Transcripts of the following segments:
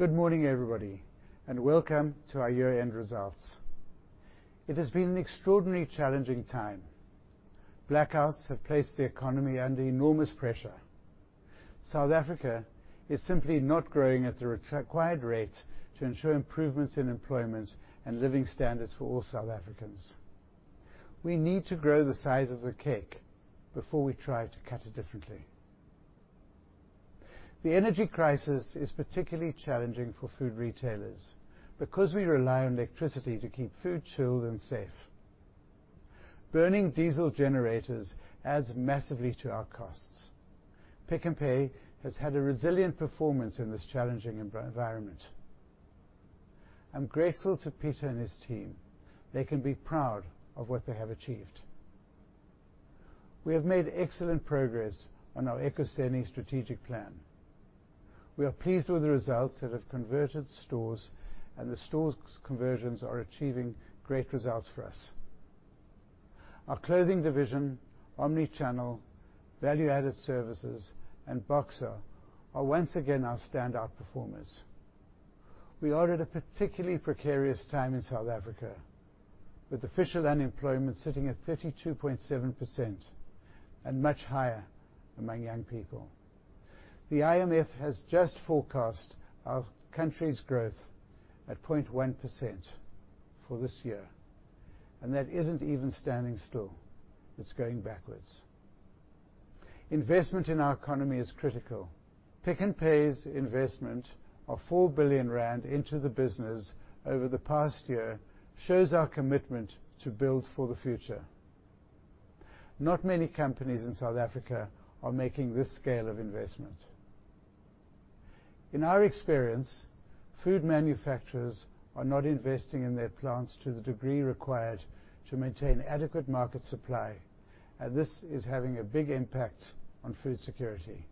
Good morning, everybody, welcome to our year-end results. It has been an extraordinarily challenging time. Blackouts have placed the economy under enormous pressure. South Africa is simply not growing at the required rate to ensure improvements in employment and living standards for all South Africans. We need to grow the size of the cake before we try to cut it differently. The energy crisis is particularly challenging for food retailers because we rely on electricity to keep food chilled and safe. Burning diesel generators adds massively to our costs. Pick n Pay has had a resilient performance in this challenging environment. I'm grateful to Pieter and his team. They can be proud of what they have achieved. We have made excellent progress on our Ekuseni strategic plan. We are pleased with the results that have converted stores, and the stores conversions are achieving great results for us. Our clothing division, omni-channel, value-added services, and Boxer are once again our standout performers. We are at a particularly precarious time in South Africa, with official unemployment sitting at 32.7% and much higher among young people. The IMF has just forecast our country's growth at 0.1% for this year. That isn't even standing still. It's going backwards. Investment in our economy is critical. Pick n Pay's investment of 4 billion rand into the business over the past year shows our commitment to build for the future. Not many companies in South Africa are making this scale of investment. In our experience, food manufacturers are not investing in their plants to the degree required to maintain adequate market supply. This is having a big impact on food security.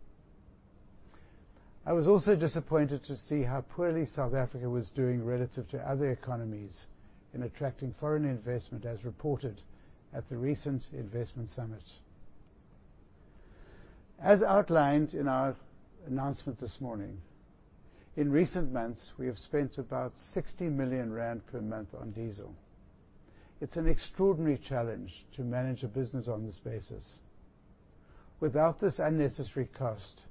I was also disappointed to see how poorly South Africa was doing relative to other economies in attracting foreign investment, as reported at the recent investment summit. As outlined in our announcement this morning, in recent months, we have spent about 60 million rand per month on diesel. It's an extraordinary challenge to manage a business on this basis. Without this unnecessary cost,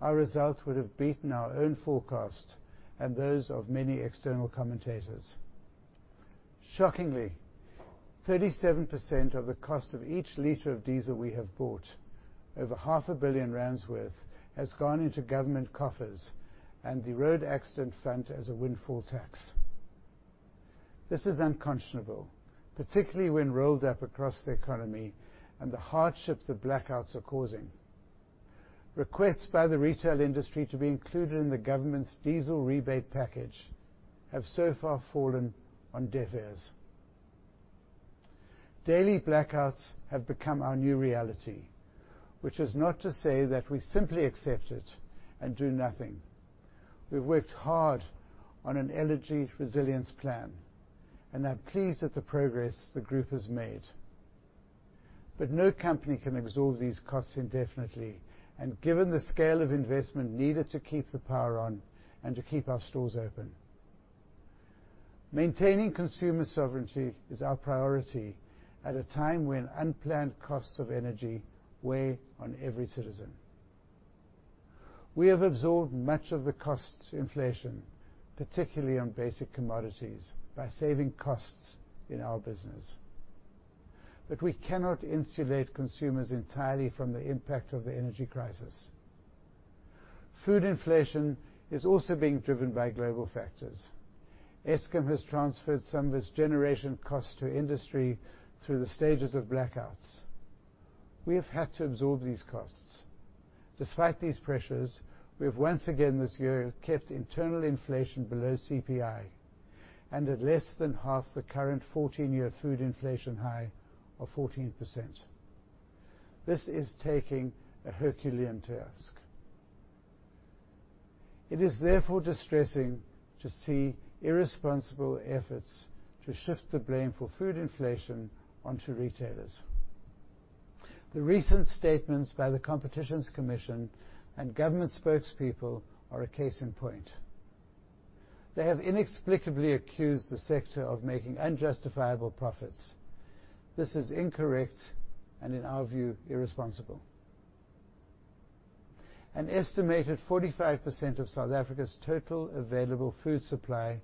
our results would have beaten our own forecast and those of many external commentators. Shockingly, 37% of the cost of each liter of diesel we have bought, over half a billion ZAR worth, has gone into government coffers and the Road Accident Fund as a windfall tax. This is unconscionable, particularly when rolled up across the economy and the hardships the blackouts are causing. Requests by the retail industry to be included in the government's diesel rebate package have so far fallen on deaf ears. Daily blackouts have become our new reality, which is not to say that we simply accept it and do nothing. We've worked hard on an energy resilience plan, and I'm pleased at the progress the group has made. No company can absorb these costs indefinitely, and given the scale of investment needed to keep the power on and to keep our stores open. Maintaining consumer sovereignty is our priority at a time when unplanned costs of energy weigh on every citizen. We have absorbed much of the cost inflation, particularly on basic commodities, by saving costs in our business. We cannot insulate consumers entirely from the impact of the energy crisis. Food inflation is also being driven by global factors. Eskom has transferred some of its generation cost to industry through the stages of blackouts. We have had to absorb these costs. Despite these pressures, we have once again this year kept internal inflation below CPI and at less than half the current 14-year food inflation high of 14%. This is taking a Herculean task. It is therefore distressing to see irresponsible efforts to shift the blame for food inflation onto retailers. The recent statements by the Competition Commission and government spokespeople are a case in point. They have inexplicably accused the sector of making unjustifiable profits. This is incorrect and, in our view, irresponsible. An estimated 45% of South Africa's total available food supply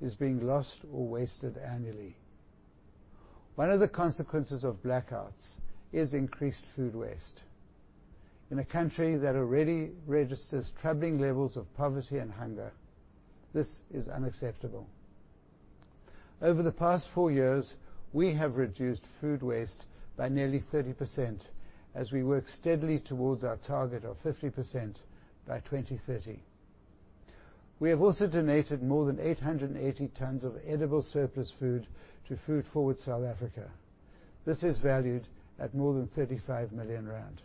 is being lost or wasted annually. One of the consequences of blackouts is increased food waste. In a country that already registers troubling levels of poverty and hunger, this is unacceptable. Over the past four years, we have reduced food waste by nearly 30% as we work steadily towards our target of 50% by 2030. We have also donated more than 880 tons of edible surplus food to FoodForward South Africa. This is valued at more than 35 million rand.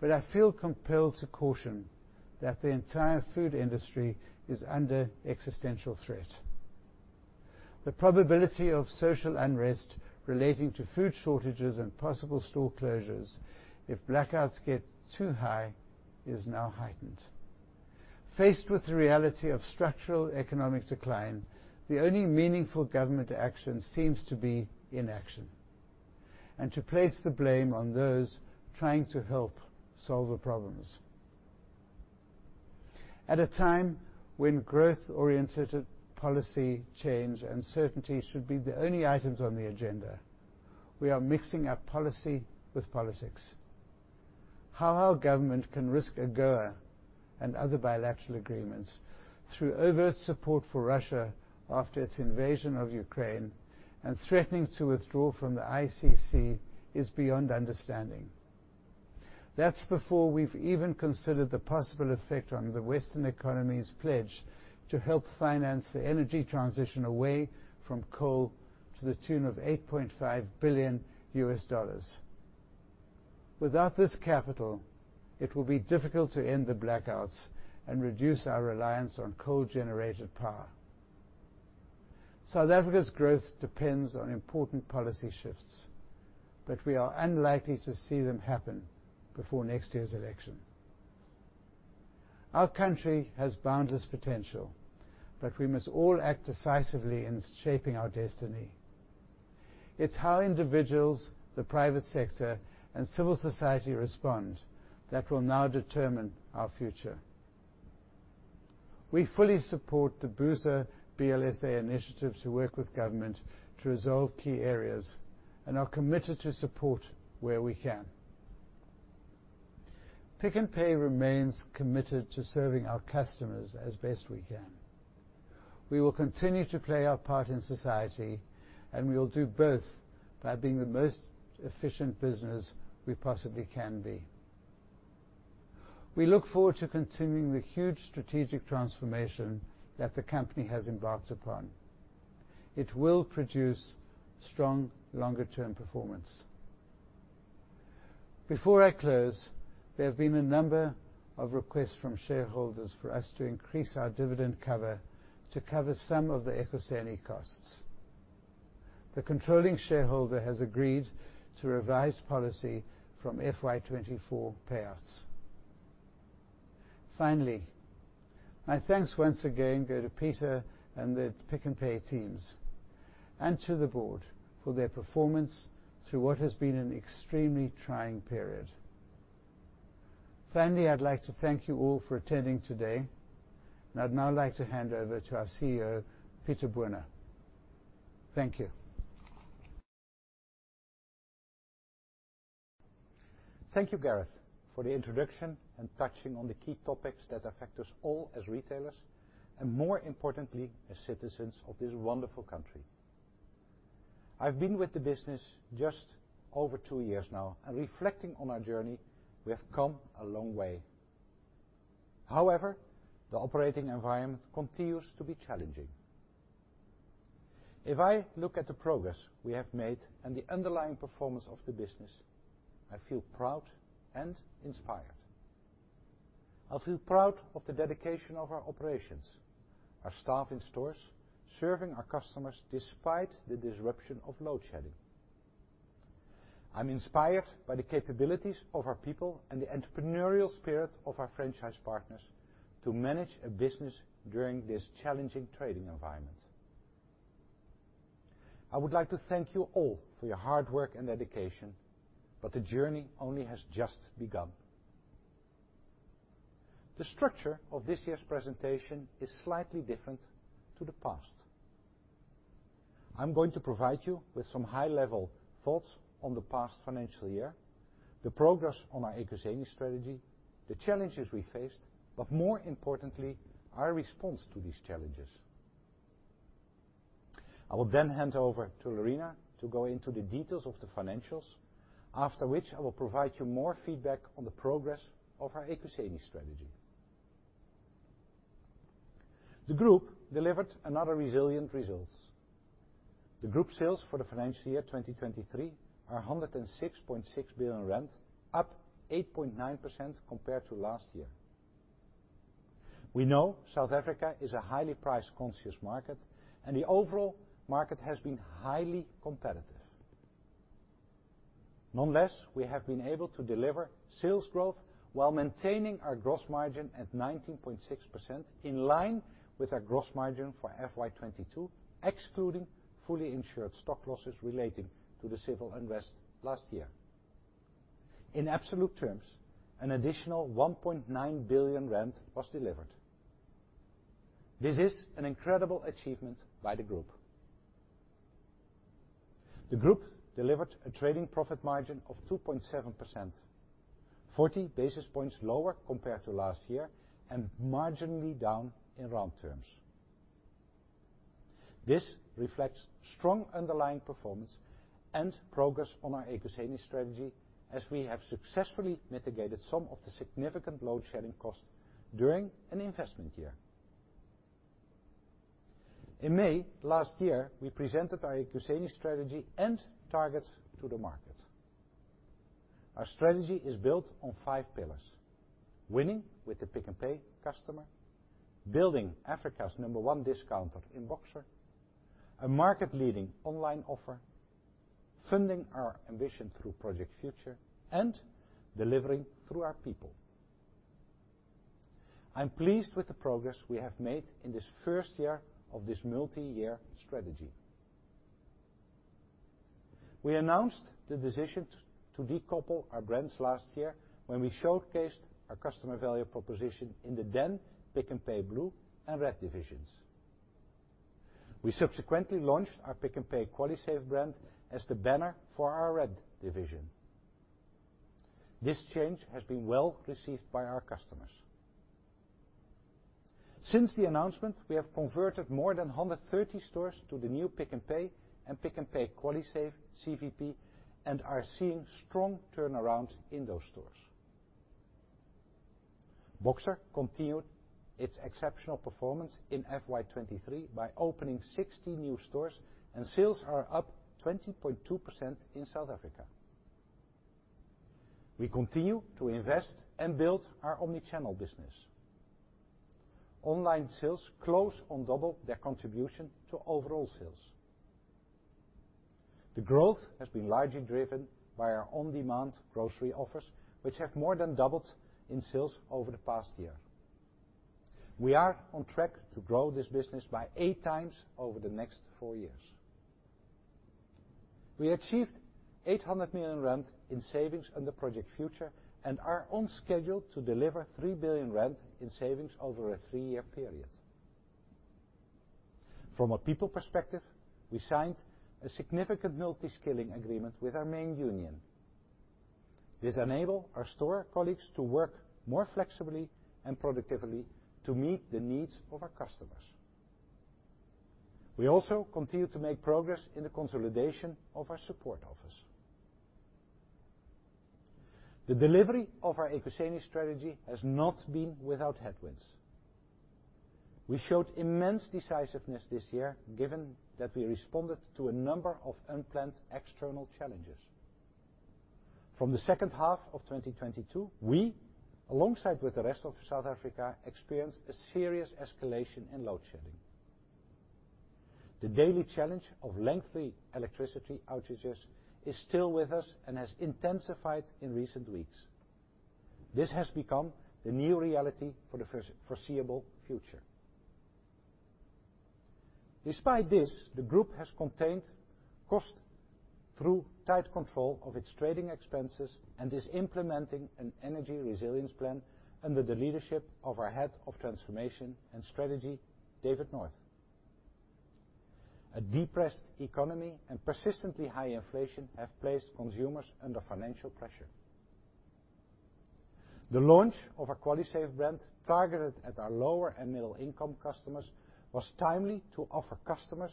I feel compelled to caution that the entire food industry is under existential threat. The probability of social unrest relating to food shortages and possible store closures if blackouts get too high is now heightened. Faced with the reality of structural economic decline, the only meaningful government action seems to be inaction, and to place the blame on those trying to help solve the problems. At a time when growth-orientated policy change and certainty should be the only items on the agenda, we are mixing up policy with politics. How our government can risk AGOA and other bilateral agreements through overt support for Russia after its invasion of Ukraine and threatening to withdraw from the ICC is beyond understanding. That's before we've even considered the possible effect on the Western economy's pledge to help finance the energy transition away from coal to the tune of $8.5 billion. Without this capital, it will be difficult to end the blackouts and reduce our reliance on coal-generated power. South Africa's growth depends on important policy shifts, we are unlikely to see them happen before next year's election. Our country has boundless potential, we must all act decisively in shaping our destiny. It's how individuals, the private sector, and civil society respond that will now determine our future. We fully support the BUSA BLSA initiative to work with government to resolve key areas and are committed to support where we can. Pick n Pay remains committed to serving our customers as best we can. We will continue to play our part in society, we will do both by being the most efficient business we possibly can be. We look forward to continuing the huge strategic transformation that the company has embarked upon. It will produce strong longer-term performance. Before I close, there have been a number of requests from shareholders for us to increase our dividend cover to cover some of the Ekuseni costs. The controlling shareholder has agreed to revise policy from FY 2024 payouts. Finally, my thanks once again go to Pieter and the Pick n Pay teams and to the board for their performance through what has been an extremely trying period. Finally, I'd like to thank you all for attending today. I'd now like to hand over to our CEO, Pieter Boone. Thank you. Thank you, Gareth, for the introduction and touching on the key topics that affect us all as retailers and, more importantly, as citizens of this wonderful country. I've been with the business just over two years now, and reflecting on our journey, we have come a long way. However, the operating environment continues to be challenging. If I look at the progress we have made and the underlying performance of the business, I feel proud and inspired. I feel proud of the dedication of our operations, our staff in stores, serving our customers despite the disruption of load shedding. I'm inspired by the capabilities of our people and the entrepreneurial spirit of our franchise partners to manage a business during this challenging trading environment. I would like to thank you all for your hard work and dedication, but the journey only has just begun. The structure of this year's presentation is slightly different to the past. I'm going to provide you with some high-level thoughts on the past financial year, the progress on our Ekuseni strategy, the challenges we faced, more importantly, our response to these challenges. I will then hand over to Lerena to go into the details of the financials, after which I will provide you more feedback on the progress of our Ekuseni strategy. The group delivered another resilient results. The group sales for the financial year 2023 are 106.6 billion rand, up 8.9% compared to last year. We know South Africa is a highly price-conscious market, the overall market has been highly competitive. Nonetheless, we have been able to deliver sales growth while maintaining our gross margin at 19.6%, in line with our gross margin for FY 2022, excluding fully insured stock losses relating to the civil unrest last year. In absolute terms, an additional 1.9 billion rand was delivered. This is an incredible achievement by the group. The group delivered a trading profit margin of 2.7%, 40 basis points lower compared to last year and marginally down in rand terms. This reflects strong underlying performance and progress on our Ekuseni strategy, as we have successfully mitigated some of the significant load shedding costs during an investment year. In May last year, we presented our Ekuseni strategy and targets to the market. Our strategy is built on five pillars. Winning with the Pick n Pay customer, building Africa's number one discounter in Boxer, a market-leading online offer, funding our ambition through Project Future, and delivering through our people. I'm pleased with the progress we have made in this first year of this multi-year strategy. We announced the decision to decouple our brands last year when we showcased our customer value proposition in the then Pick n Pay Blue and Red divisions. We subsequently launched our Pick n Pay QualiSave brand as the banner for our Red division. This change has been well received by our customers. Since the announcement, we have converted more than 130 stores to the new Pick n Pay and Pick n Pay QualiSave CVP and are seeing strong turnaround in those stores. Boxer continued its exceptional performance in FY 2023 by opening 60 new stores. Sales are up 20.2% in South Africa. We continue to invest and build our omni-channel business. Online sales close on double their contribution to overall sales. The growth has been largely driven by our on-demand grocery offers, which have more than doubled in sales over the past year. We are on track to grow this business by eight times over the next four years. We achieved 800 million rand in savings under Project Future. We are on schedule to deliver 3 billion rand in savings over a three-year period. From a people perspective, we signed a significant multi-skilling agreement with our main union. This enable our store colleagues to work more flexibly and productively to meet the needs of our customers. We also continue to make progress in the consolidation of our support office. The delivery of our Ekuseni strategy has not been without headwinds. We showed immense decisiveness this year, given that we responded to a number of unplanned external challenges. From the second half of 2022, we, alongside with the rest of South Africa, experienced a serious escalation in load shedding. The daily challenge of lengthy electricity outages is still with us and has intensified in recent weeks. This has become the new reality for the foreseeable future. Despite this, the group has contained cost through tight control of its trading expenses and is implementing an energy resilience plan under the leadership of our Head of Transformation and Strategy, David North. A depressed economy and persistently high inflation have placed consumers under financial pressure. The launch of our QualiSave brand, targeted at our lower and middle-income customers, was timely to offer customers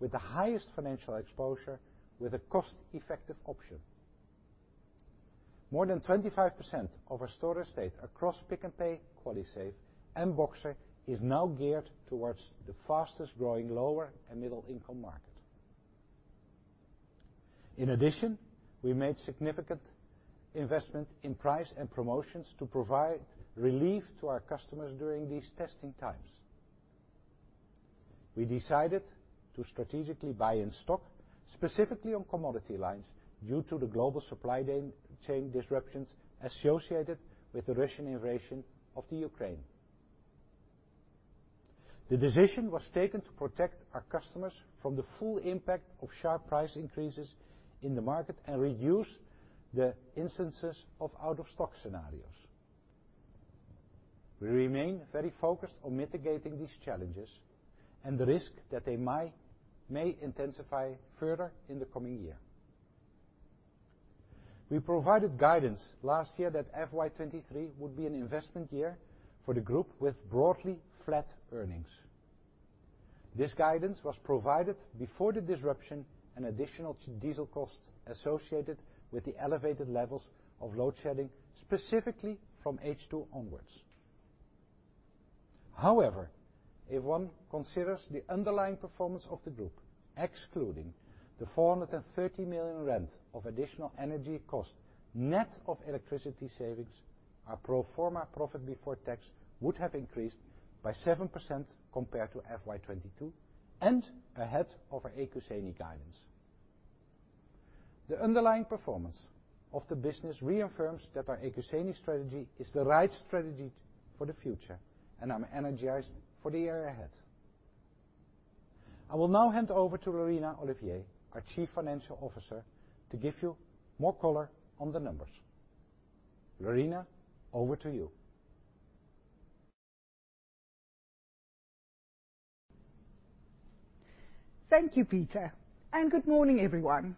with the highest financial exposure with a cost-effective option. More than 25% of our store estate across Pick n Pay, QualiSave, and Boxer is now geared towards the fastest-growing lower and middle-income market. We made significant investment in price and promotions to provide relief to our customers during these testing times. We decided to strategically buy in stock, specifically on commodity lines, due to the global supply chain disruptions associated with the Russian invasion of the Ukraine. The decision was taken to protect our customers from the full impact of sharp price increases in the market and reduce the instances of out-of-stock scenarios. We remain very focused on mitigating these challenges and the risk that they may intensify further in the coming year. We provided guidance last year that FY 2023 would be an investment year for the group with broadly flat earnings. This guidance was provided before the disruption and additional diesel costs associated with the elevated levels of load shedding, specifically from H2 onwards. If one considers the underlying performance of the group, excluding the 430 million rand of additional energy cost, net of electricity savings, our pro forma profit before tax would have increased by 7% compared to FY 2022 and ahead of our Ekuseni guidance. The underlying performance of the business reaffirms that our Ekuseni strategy is the right strategy for the future, and I'm energized for the year ahead. I will now hand over to Lerena Olivier, our Chief Financial Officer, to give you more color on the numbers. Lerena, over to you. Thank you, Pieter, and good morning, everyone.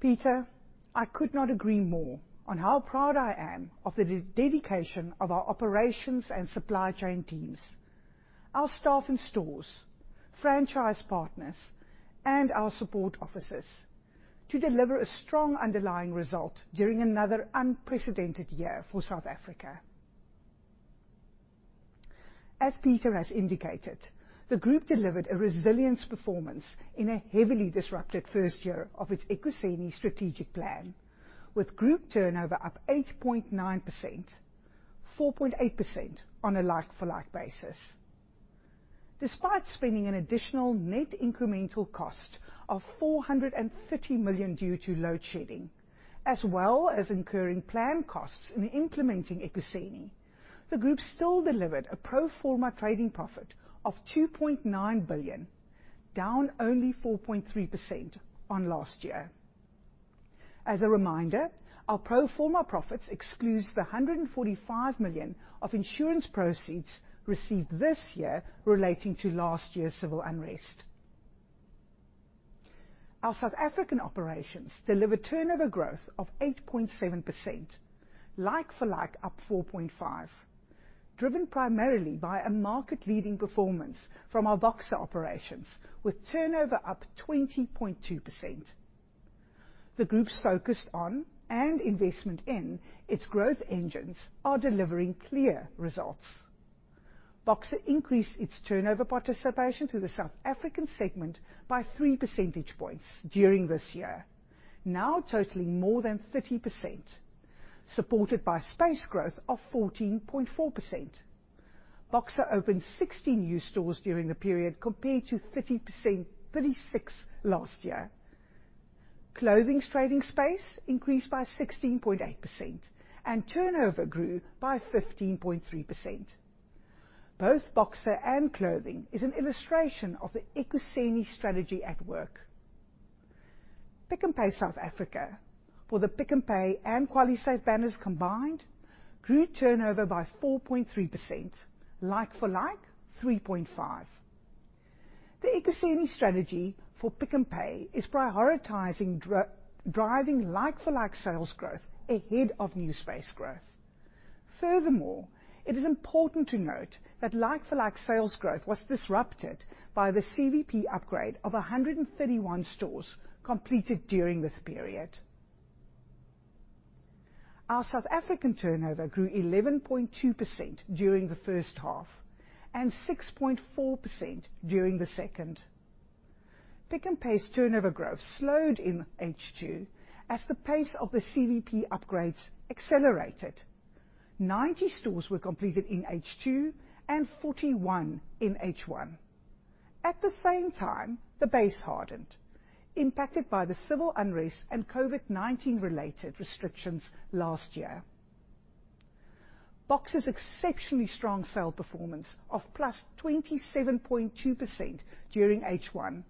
Pieter, I could not agree more on how proud I am of the dedication of our operations and supply chain teams, our staff and stores, franchise partners, and our support offices. To deliver a strong underlying result during another unprecedented year for South Africa. As Pieter has indicated, the group delivered a resilience performance in a heavily disrupted first year of its Ekuseni strategic plan, with group turnover up 8.9%, 4.8% on a like-for-like basis. Despite spending an additional net incremental cost of 450 million due to load shedding, as well as incurring planned costs in implementing Ekuseni, the group still delivered a pro forma trading profit of 2.9 billion, down only 4.3% on last year. As a reminder, our pro forma profits excludes the 145 million of insurance proceeds received this year relating to last year's civil unrest. Our South African operations delivered turnover growth of 8.7%, like-for-like up 4.5%, driven primarily by a market-leading performance from our Boxer operations, with turnover up 20.2%. The groups focused on and investment in its growth engines are delivering clear results. Boxer increased its turnover participation to the South African segment by 3 percentage points during this year, now totaling more than 30%, supported by space growth of 14.4%. Boxer opened 60 new stores during the period, compared to 36 last year. Clothing's trading space increased by 16.8%, and turnover grew by 15.3%. Both Boxer and clothing is an illustration of the Ekuseni strategy at work. Pick n Pay South Africa, for the Pick n Pay and QualiSave banners combined, grew turnover by 4.3%, like-for-like 3.5%. The Ekuseni strategy for Pick n Pay is prioritizing driving like-for-like sales growth ahead of new space growth. It is important to note that like-for-like sales growth was disrupted by the CVP upgrade of 131 stores completed during this period. Our South African turnover grew 11.2% during the first half and 6.4% during the second. Pick n Pay's turnover growth slowed in H2 as the pace of the CVP upgrades accelerated. 90 stores were completed in H2 and 41 in H1. At the same time, the base hardened, impacted by the civil unrest and COVID-19 related restrictions last year. Boxer's exceptionally strong sale performance of +27.2% during H1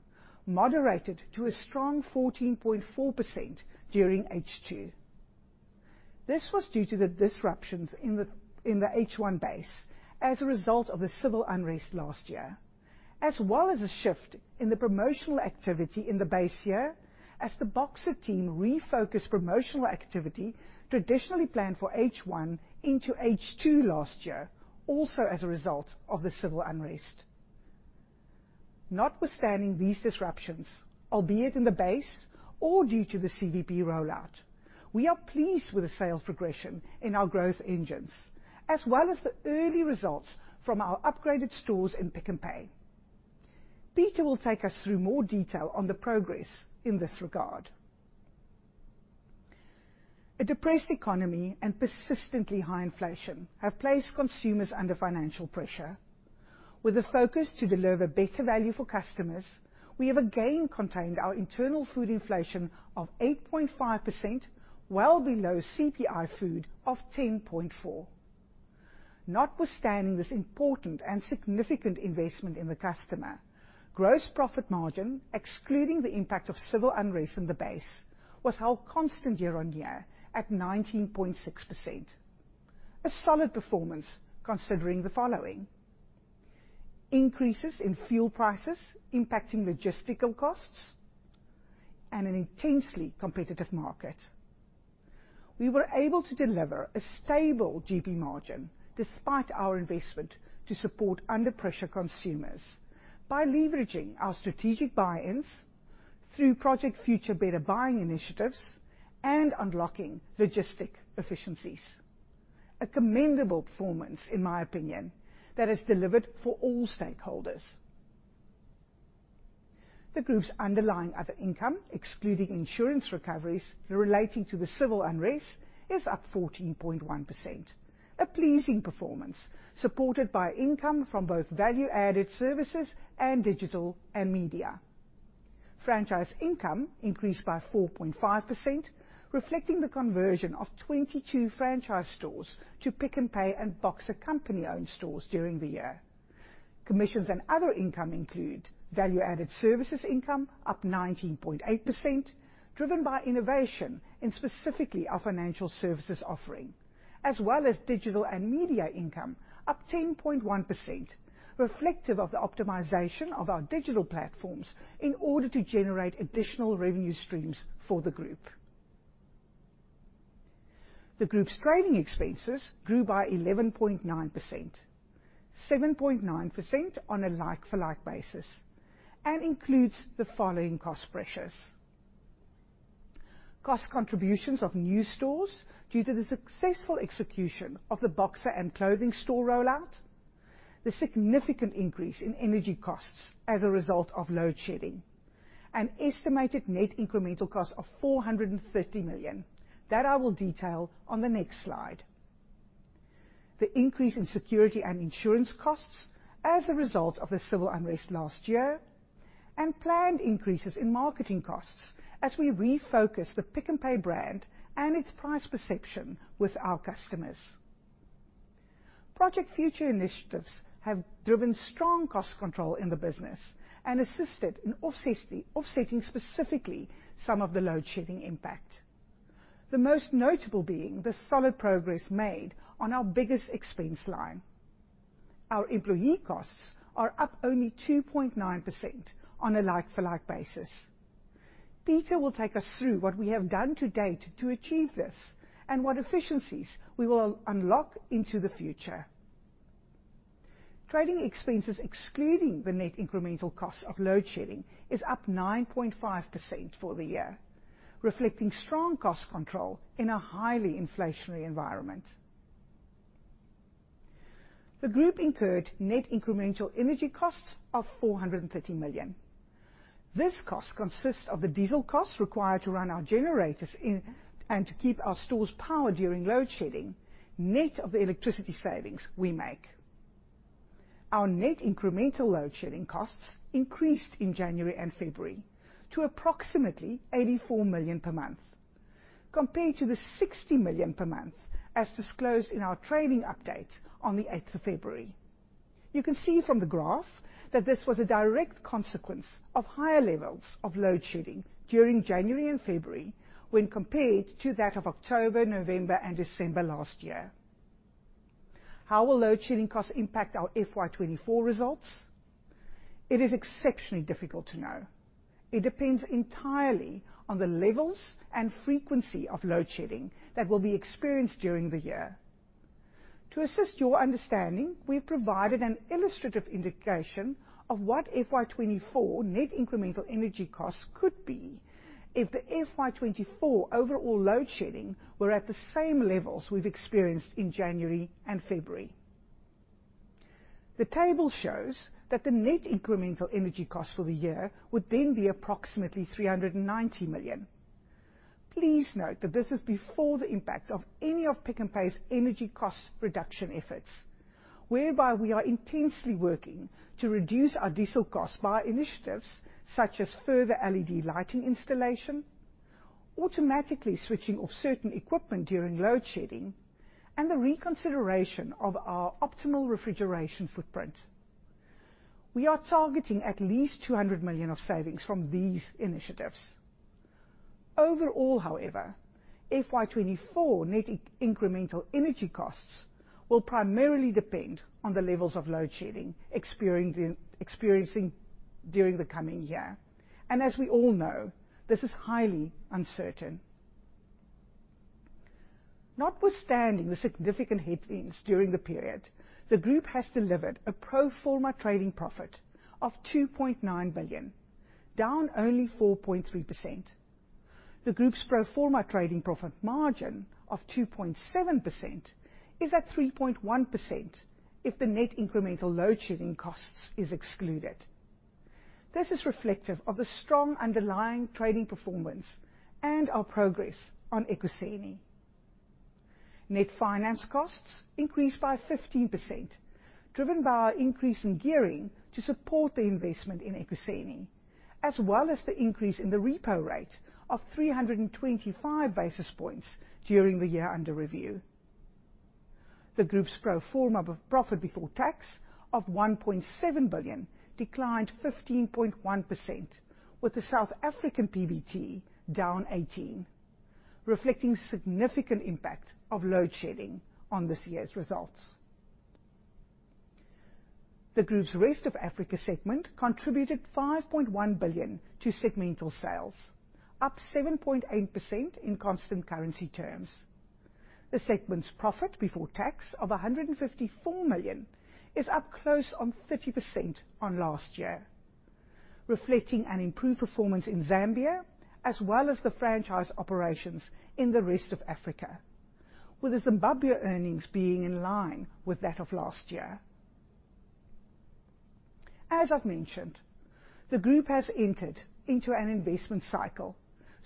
moderated to a strong 14.4% during H2. This was due to the disruptions in the H1 base as a result of the civil unrest last year, as well as a shift in the promotional activity in the base year as the Boxer team refocused promotional activity traditionally planned for H1 into H2 last year, also as a result of the civil unrest. Notwithstanding these disruptions, albeit in the base or due to the CVP rollout, we are pleased with the sales progression in our growth engines, as well as the early results from our upgraded stores in Pick n Pay. Pieter will take us through more detail on the progress in this regard. A depressed economy and persistently high inflation have placed consumers under financial pressure. With a focus to deliver better value for customers, we have again contained our internal food inflation of 8.5%, well below CPI food of 10.4%. Notwithstanding this important and significant investment in the customer, gross profit margin, excluding the impact of civil unrest in the base, was held constant year-over-year at 19.6%. A solid performance considering the following: increases in fuel prices impacting logistical costs, an intensely competitive market. We were able to deliver a stable GP margin despite our investment to support under-pressure consumers by leveraging our strategic buy-ins through Project Future Better Buying initiatives and unlocking logistic efficiencies. A commendable performance, in my opinion, that is delivered for all stakeholders. The group's underlying other income, excluding insurance recoveries relating to the civil unrest, is up 14.1%. A pleasing performance supported by income from both value-added services and digital and media. Franchise income increased by 4.5%, reflecting the conversion of 22 franchise stores to Pick n Pay and Boxer company-owned stores during the year. Commissions and other income include value-added services income up 19.8%, driven by innovation in specifically our financial services offering. Digital and media income up 10.1%, reflective of the optimization of our digital platforms in order to generate additional revenue streams for the group. The group's trading expenses grew by 11.9%, 7.9% on a like-for-like basis, and includes the following cost pressures. Cost contributions of new stores due to the successful execution of the Boxer and clothing store rollout, the significant increase in energy costs as a result of load shedding, an estimated net incremental cost of 450 million that I will detail on the next slide. The increase in security and insurance costs as a result of the civil unrest last year, planned increases in marketing costs as we refocus the Pick n Pay brand and its price perception with our customers. Project Future initiatives have driven strong cost control in the business and assisted in offsetting, specifically, some of the load-shedding impact, the most notable being the solid progress made on our biggest expense line. Our employee costs are up only 2.9% on a like-for-like basis. Pieter will take us through what we have done to date to achieve this and what efficiencies we will unlock into the future. Trading expenses, excluding the net incremental cost of load shedding, is up 9.5% for the year, reflecting strong cost control in a highly inflationary environment. The group incurred net incremental energy costs of 450 million. This cost consists of the diesel costs required to run our generators and to keep our stores powered during load shedding, net of the electricity savings we make. Our net incremental load shedding costs increased in January and February to approximately 84 million per month, compared to the 60 million per month as disclosed in our trading update on the 8th of February. You can see from the graph that this was a direct consequence of higher levels of load shedding during January and February when compared to that of October, November and December last year. How will load shedding costs impact our FY 2024 results? It is exceptionally difficult to know. It depends entirely on the levels and frequency of load shedding that will be experienced during the year. To assist your understanding, we've provided an illustrative indication of what FY 2024 net incremental energy costs could be if the FY 2024 overall load shedding were at the same levels we've experienced in January and February. The table shows that the net incremental energy costs for the year would then be approximately 390 million. Please note that this is before the impact of any of Pick n Pay's energy cost reduction efforts, whereby we are intensely working to reduce our diesel costs via initiatives such as further LED lighting installation, automatically switching off certain equipment during load shedding, and the reconsideration of our optimal refrigeration footprint. We are targeting at least 200 million of savings from these initiatives. Overall, however, FY 2024 net incremental energy costs will primarily depend on the levels of load shedding experiencing during the coming year. As we all know, this is highly uncertain. Notwithstanding the significant headwinds during the period, the group has delivered a pro forma trading profit of 2.9 billion, down only 4.3%. The group's pro forma trading profit margin of 2.7% is at 3.1% if the net incremental load shedding costs is excluded. This is reflective of the strong underlying trading performance and our progress on Ekuseni. Net finance costs increased by 15%, driven by our increase in gearing to support the investment in Ekuseni, as well as the increase in the repo rate of 325 basis points during the year under review. The group's pro forma of profit before tax of 1.7 billion declined 15.1%, with the South African PBT down 18%, reflecting significant impact of load shedding on this year's results. The group's rest of Africa segment contributed 5.1 billion to segmental sales, up 7.8% in constant currency terms. The segment's profit before tax of 154 million is up close on 30% on last year, reflecting an improved performance in Zambia as well as the franchise operations in the rest of Africa, with the Zimbabwe earnings being in line with that of last year. As I've mentioned, the group has entered into an investment cycle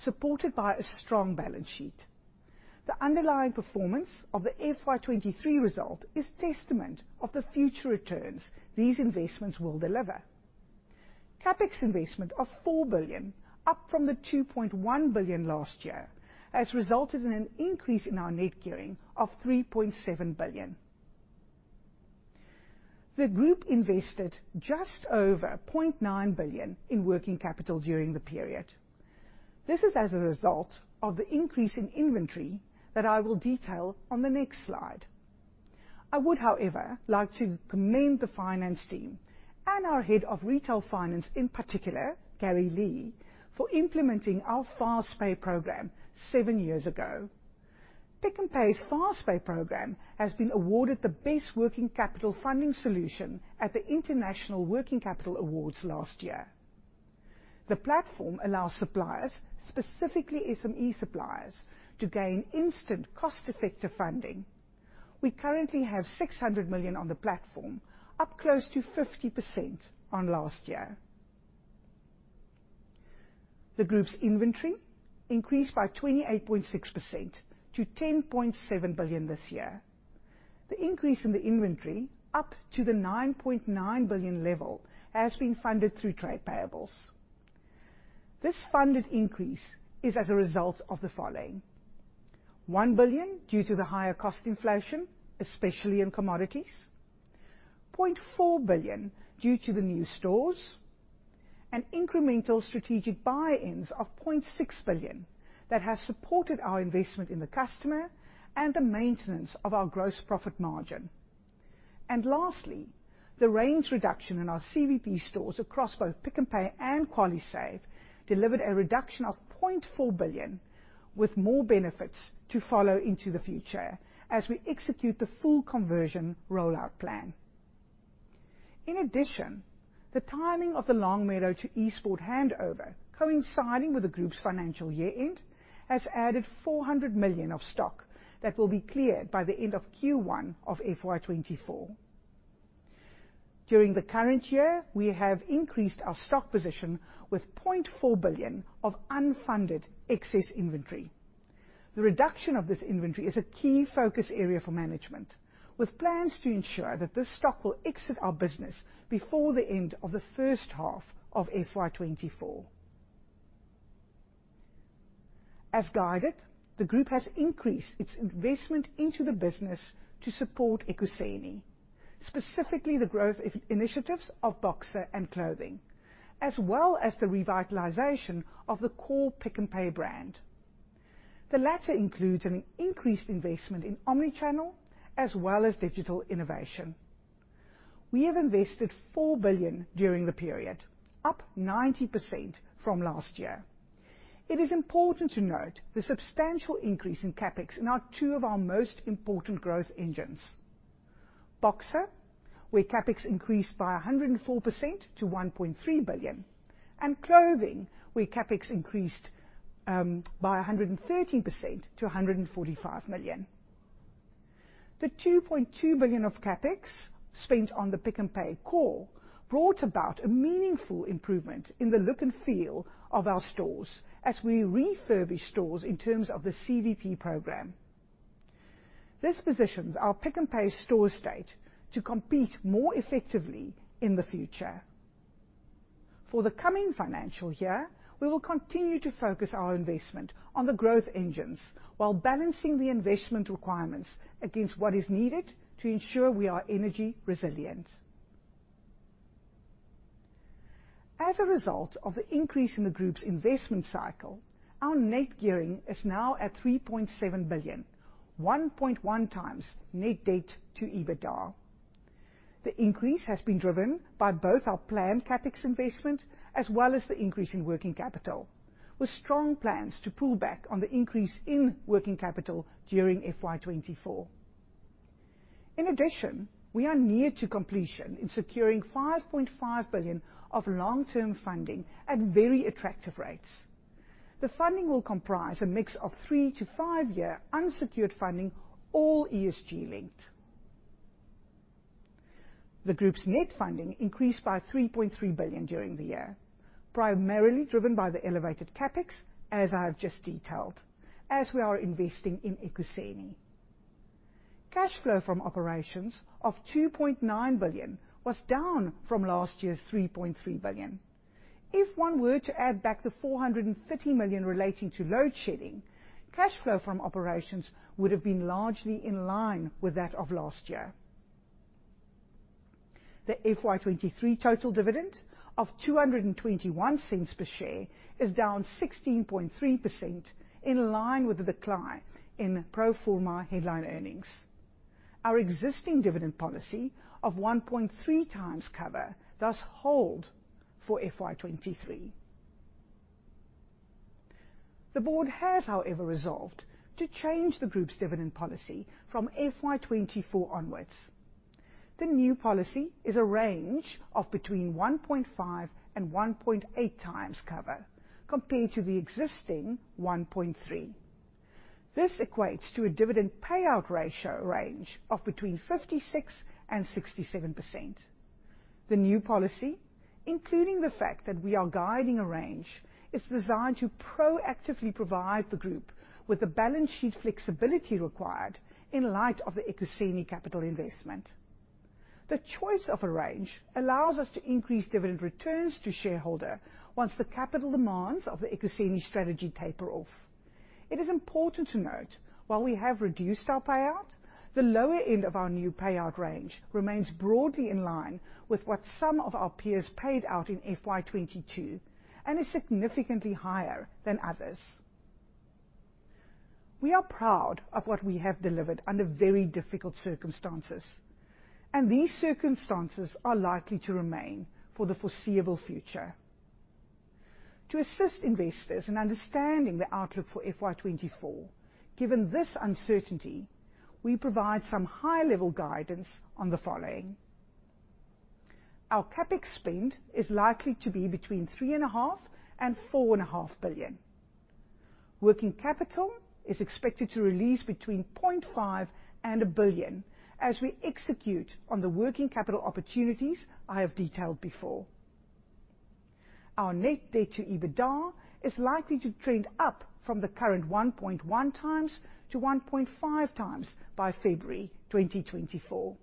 supported by a strong balance sheet. The underlying performance of the FY 2023 result is testament of the future returns these investments will deliver. CapEx investment of 4 billion, up from 2.1 billion last year, has resulted in an increase in our net gearing of 3.7 billion. The group invested just over 0.9 billion in working capital during the period. This is as a result of the increase in inventory that I will detail on the next slide. I would, however, like to commend the finance team and our Head of Retail Finance in particular, Gary Lee, for implementing our Fast Pay program seven years ago. Pick n Pay's Fast Pay program has been awarded the best working capital funding solution at the International Working Capital Awards last year. The platform allows suppliers, specifically SME suppliers, to gain instant cost-effective funding. We currently have 600 million on the platform, up close to 50% on last year. The group's inventory increased by 28.6% to 10.7 billion this year. The increase in the inventory up to the 9.9 billion level has been funded through trade payables. This funded increase is as a result of the following. 1 billion due to the higher cost inflation, especially in commodities. 0.4 billion due to the new stores. An incremental strategic buy-ins of 0.6 billion that has supported our investment in the customer and the maintenance of our gross profit margin. Lastly, the range reduction in our CVP stores across both Pick n Pay and QualiSave delivered a reduction of 0.4 billion with more benefits to follow into the future as we execute the full conversion rollout plan. In addition, the timing of the Longmeadow to Eastport handover coinciding with the group's financial year end has added 400 million of stock that will be cleared by the end of Q1 of FY 2024. During the current year, we have increased our stock position with 0.4 billion of unfunded excess inventory. The reduction of this inventory is a key focus area for management, with plans to ensure that this stock will exit our business before the end of the first half of FY 2024. As guided, the group has increased its investment into the business to support Ekuseni, specifically the growth initiatives of Boxer and clothing, as well as the revitalization of the core Pick n Pay brand. The latter includes an increased investment in omni-channel as well as digital innovation. We have invested 4 billion during the period, up 90% from last year. It is important to note the substantial increase in CapEx in two of our most important growth engines. Boxer, where CapEx increased by 104% to 1.3 billion, and clothing, where CapEx increased by 130% to 145 million. The 2.2 billion of CapEx spent on the Pick n Pay core brought about a meaningful improvement in the look and feel of our stores as we refurbish stores in terms of the CVP program. This positions our Pick n Pay store estate to compete more effectively in the future. For the coming financial year, we will continue to focus our investment on the growth engines while balancing the investment requirements against what is needed to ensure we are energy resilient. As a result of the increase in the group's investment cycle, our net gearing is now at 3.7 billion, 1.1x net debt to EBITDA. The increase has been driven by both our planned CapEx investment as well as the increase in working capital, with strong plans to pull back on the increase in working capital during FY 2024. We are near to completion in securing 5.5 billion of long-term funding at very attractive rates. The funding will comprise a mix of three to five-year unsecured funding, all ESG-linked. The group's net funding increased by 3.3 billion during the year, primarily driven by the elevated CapEx, as I have just detailed, as we are investing in Ekuseni. Cash flow from operations of 2.9 billion was down from last year's 3.3 billion. If one were to add back the 450 million relating to load shedding, cash flow from operations would have been largely in line with that of last year. The FY 2023 total dividend of 2.21 per share is down 16.3% in line with the decline in pro forma headline earnings. Our existing dividend policy of 1.3x cover thus hold for FY 2023. The board has, however, resolved to change the group's dividend policy from FY 2024 onwards. The new policy is a range of between 1.5x and 1.8x cover compared to the existing 1.3x. This equates to a dividend payout ratio range of between 56% and 67%. The new policy, including the fact that we are guiding a range, is designed to proactively provide the group with the balance sheet flexibility required in light of the Ekuseni capital investment. The choice of a range allows us to increase dividend returns to shareholder once the capital demands of the Ekuseni strategy taper off. It is important to note while we have reduced our payout, the lower end of our new payout range remains broadly in line with what some of our peers paid out in FY 2022 and is significantly higher than others. We are proud of what we have delivered under very difficult circumstances. These circumstances are likely to remain for the foreseeable future. To assist investors in understanding the outlook for FY 2024, given this uncertainty, we provide some high-level guidance on the following. Our CapEx spend is likely to be between 3.5 billion-4.5 billion. Working capital is expected to release between 0.5 billion and 1 billion as we execute on the working capital opportunities I have detailed before. Our net debt to EBITDA is likely to trend up from the current 1.1xto 1.5x by February 2024.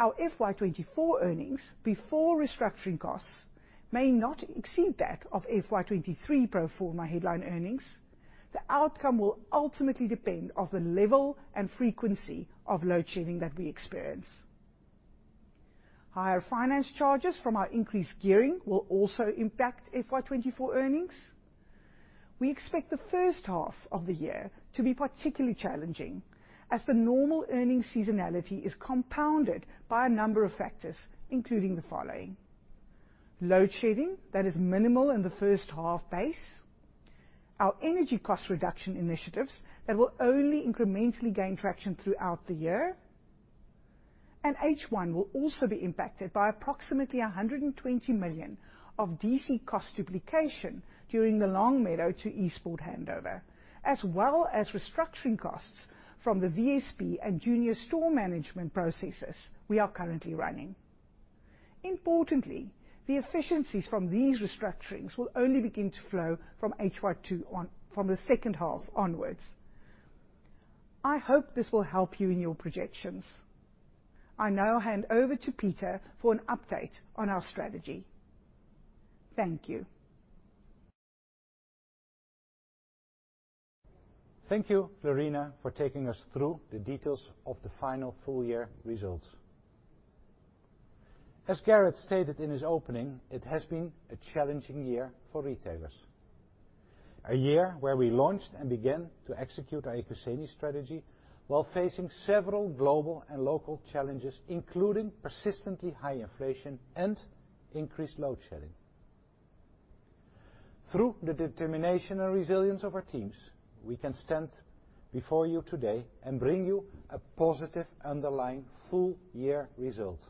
Our FY 2024 earnings before restructuring costs may not exceed that of FY 2023 pro forma headline earnings. The outcome will ultimately depend on the level and frequency of load shedding that we experience. Higher finance charges from our increased gearing will also impact FY 2024 earnings. We expect the first half of the year to be particularly challenging as the normal earnings seasonality is compounded by a number of factors, including the following: load shedding that is minimal in the first half base, our energy cost reduction initiatives that will only incrementally gain traction throughout the year, H1 will also be impacted by approximately 120 million of DC cost duplication during the Longmeadow to Eastport handover, as well as restructuring costs from the VSP and junior store management processes we are currently running. Importantly, the efficiencies from these restructurings will only begin to flow from HY2 on, from the second half onwards. I hope this will help you in your projections. I now hand over to Pieter for an update on our strategy. Thank you. Thank you, Lerena, for taking us through the details of the final full year results. As Gareth stated in his opening, it has been a challenging year for retailers. A year where we launched and began to execute our Ekuseni strategy while facing several global and local challenges, including persistently high inflation and increased load shedding. Through the determination and resilience of our teams, we can stand before you today and bring you a positive underlying full year result.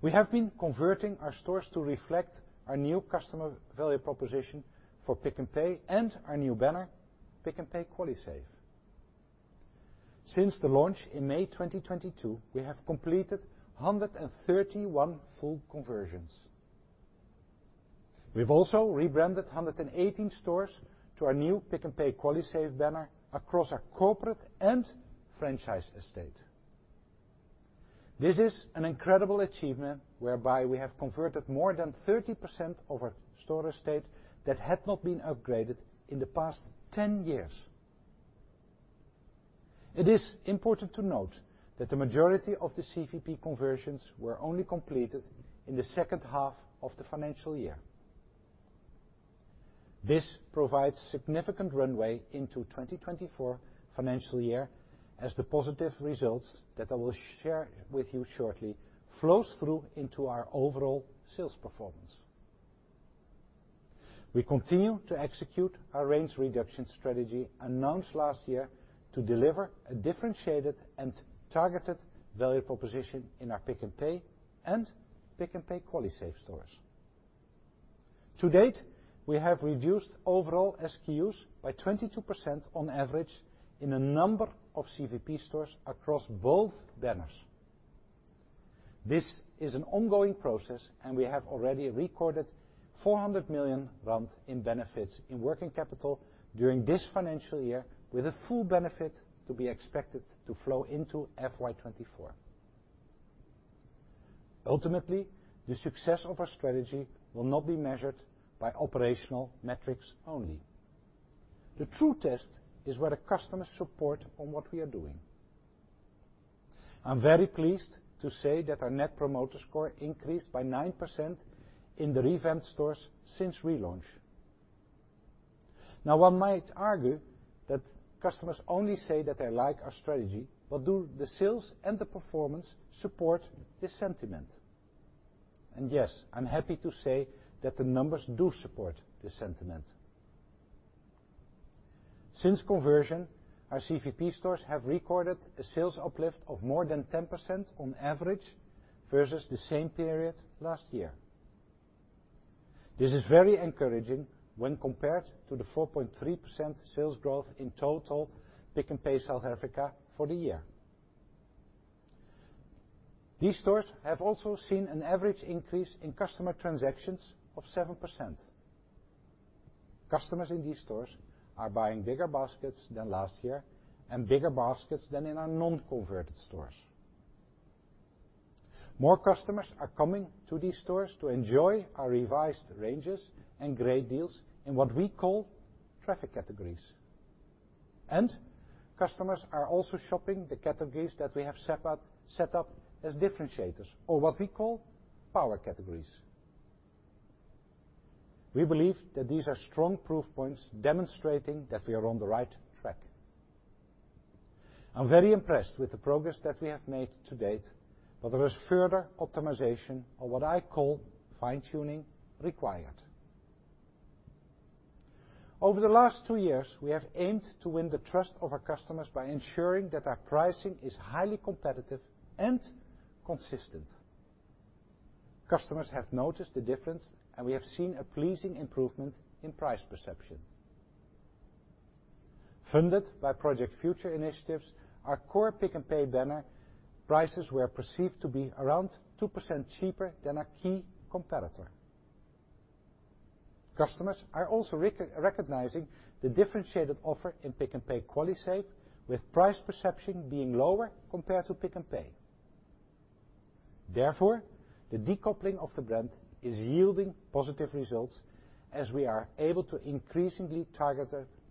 We have been converting our stores to reflect our new customer value proposition for Pick n Pay and our new banner, Pick n Pay QualiSave. Since the launch in May 2022, we have completed 131 full conversions. We've also rebranded 118 stores to our new Pick n Pay QualiSave banner across our corporate and franchise estate. This is an incredible achievement, whereby we have converted more than 30% of our store estate that had not been upgraded in the past 10 years. It is important to note that the majority of the CVP conversions were only completed in the second half of the financial year. This provides significant runway into FY 2024 as the positive results that I will share with you shortly flows through into our overall sales performance. We continue to execute our range reduction strategy announced last year to deliver a differentiated and targeted value proposition in our Pick n Pay and Pick n Pay QualiSave stores. To date, we have reduced overall SKUs by 22% on average in a number of CVP stores across both banners. This is an ongoing process. We have already recorded 400 million rand in benefits in working capital during this financial year, with a full benefit to be expected to flow into FY 2024. Ultimately, the success of our strategy will not be measured by operational metrics only. The true test is whether customers support on what we are doing. I'm very pleased to say that our Net Promoter Score increased by 9% in the revamped stores since relaunch. Now, one might argue that customers only say that they like our strategy, but do the sales and the performance support this sentiment? Yes, I'm happy to say that the numbers do support this sentiment. Since conversion, our CVP stores have recorded a sales uplift of more than 10% on average versus the same period last year. This is very encouraging when compared to the 4.3% sales growth in total Pick n Pay South Africa for the year. These stores have also seen an average increase in customer transactions of 7%. Customers in these stores are buying bigger baskets than last year and bigger baskets than in our non-converted stores. More customers are coming to these stores to enjoy our revised ranges and great deals in what we call Traffic categories. Customers are also shopping the categories that we have set up as differentiators or what we call Power categories. We believe that these are strong proof points demonstrating that we are on the right track. I'm very impressed with the progress that we have made to date. There is further optimization or what I call fine-tuning required. Over the last two years, we have aimed to win the trust of our customers by ensuring that our pricing is highly competitive and consistent. Customers have noticed the difference, and we have seen a pleasing improvement in price perception. Funded by Project Future initiatives, our core Pick n Pay banner prices were perceived to be around 2% cheaper than our key competitor. Customers are also recognizing the differentiated offer in Pick n Pay QualiSave, with price perception being lower compared to Pick n Pay. Therefore, the decoupling of the brand is yielding positive results as we are able to increasingly target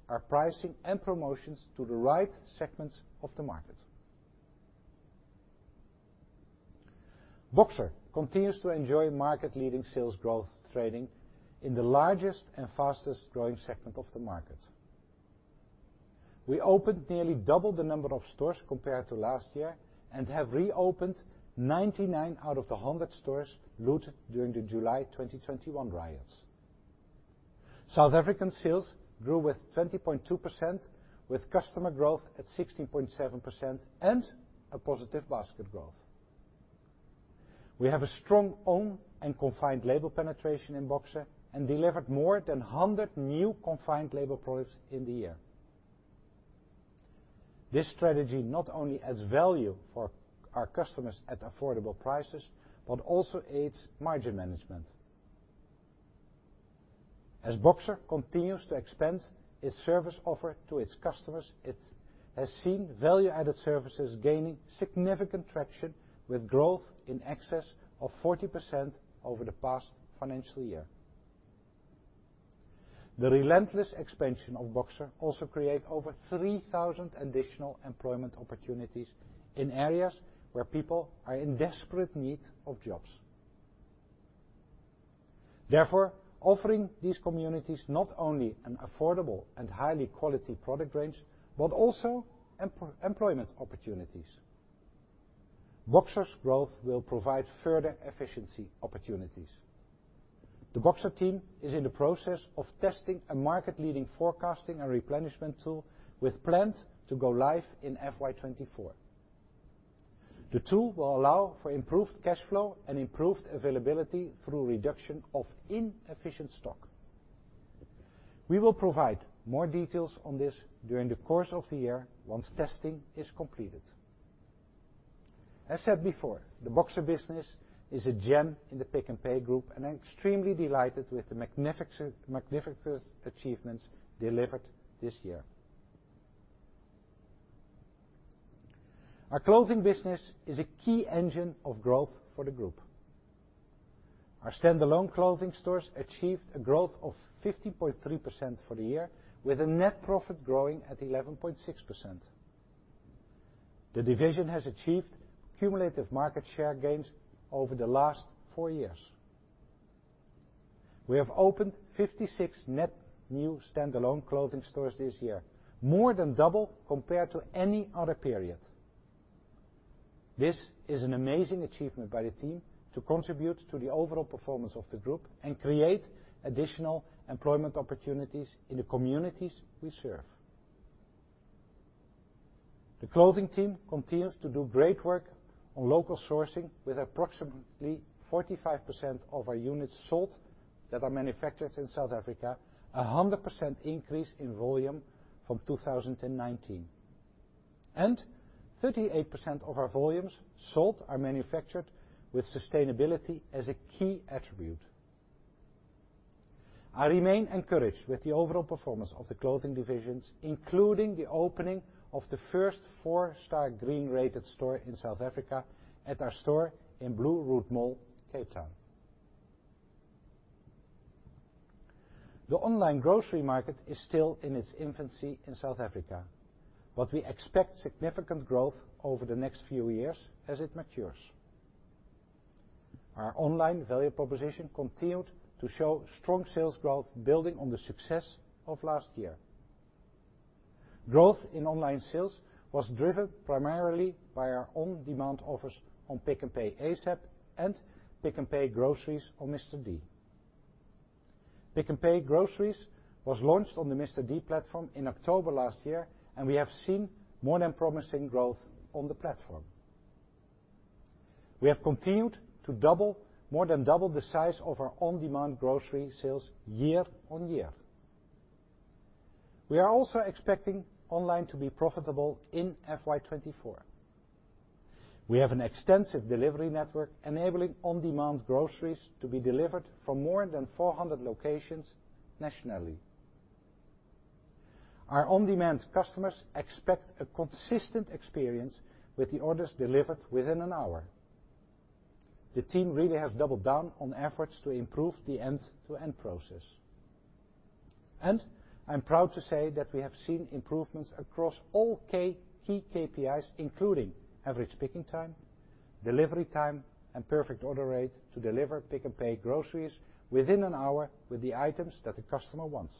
our pricing and promotions to the right segments of the market. Boxer continues to enjoy market-leading sales growth trading in the largest and fastest-growing segment of the market. We opened nearly double the number of stores compared to last year and have reopened 99 out of the 100 stores looted during the July 2021 riots. South African sales grew with 20.2%, with customer growth at 16.7% and a positive basket growth. We have a strong own and confined label penetration in Boxer and delivered more than 100 new confined label products in the year. This strategy not only adds value for our customers at affordable prices but also aids margin management. As Boxer continues to expand its service offer to its customers, it has seen value-added services gaining significant traction with growth in excess of 40% over the past financial year. The relentless expansion of Boxer also create over 3,000 additional employment opportunities in areas where people are in desperate need of jobs. Therefore, offering these communities not only an affordable and highly quality product range, but also employment opportunities. Boxer's growth will provide further efficiency opportunities. The Boxer team is in the process of testing a market-leading forecasting and replenishment tool with plans to go live in FY 2024. The tool will allow for improved cash flow and improved availability through reduction of inefficient stock. We will provide more details on this during the course of the year once testing is completed. As said before, the Boxer business is a gem in the Pick n Pay group, and I'm extremely delighted with the magnificent achievements delivered this year. Our clothing business is a key engine of growth for the group. Our standalone clothing stores achieved a growth of 15.3% for the year, with a net profit growing at 11.6%. The division has achieved cumulative market share gains over the last four years. We have opened 56 net new standalone clothing stores this year, more than double compared to any other period. This is an amazing achievement by the team to contribute to the overall performance of the group and create additional employment opportunities in the communities we serve. The clothing team continues to do great work on local sourcing with approximately 45% of our units sold that are manufactured in South Africa, a 100% increase in volume from 2019. 38% of our volumes sold are manufactured with sustainability as a key attribute. I remain encouraged with the overall performance of the clothing divisions, including the opening of the first 4-star green-rated store in South Africa at our store in Blue Route Mall, Cape Town. The online grocery market is still in its infancy in South Africa. We expect significant growth over the next few years as it matures. Our online value proposition continued to show strong sales growth building on the success of last year. Growth in online sales was driven primarily by our on-demand offers on Pick n Pay asap! and Pick n Pay Groceries on Mr D. Pick n Pay Groceries was launched on the Mr D platform in October last year, and we have seen more than promising growth on the platform. We have continued to more than double the size of our on-demand grocery sales year-on-year. We are also expecting online to be profitable in FY 2024. We have an extensive delivery network enabling on-demand groceries to be delivered from more than 400 locations nationally. Our on-demand customers expect a consistent experience with the orders delivered within an hour. The team really has doubled down on efforts to improve the end-to-end process. I'm proud to say that we have seen improvements across all key KPIs, including average picking time, delivery time, and perfect order rate to deliver Pick n Pay Groceries within an hour with the items that the customer wants.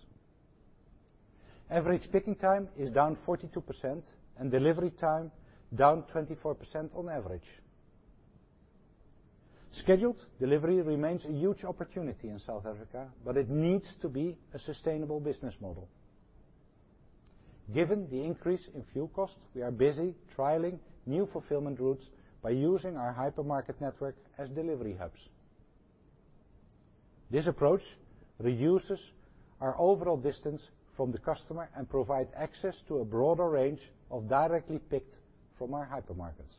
Average picking time is down 42% and delivery time down 24% on average. Scheduled delivery remains a huge opportunity in South Africa, but it needs to be a sustainable business model. Given the increase in fuel costs, we are busy trialing new fulfillment routes by using our hypermarket network as delivery hubs. This approach reduces our overall distance from the customer and provide access to a broader range of directly picked from our hypermarkets.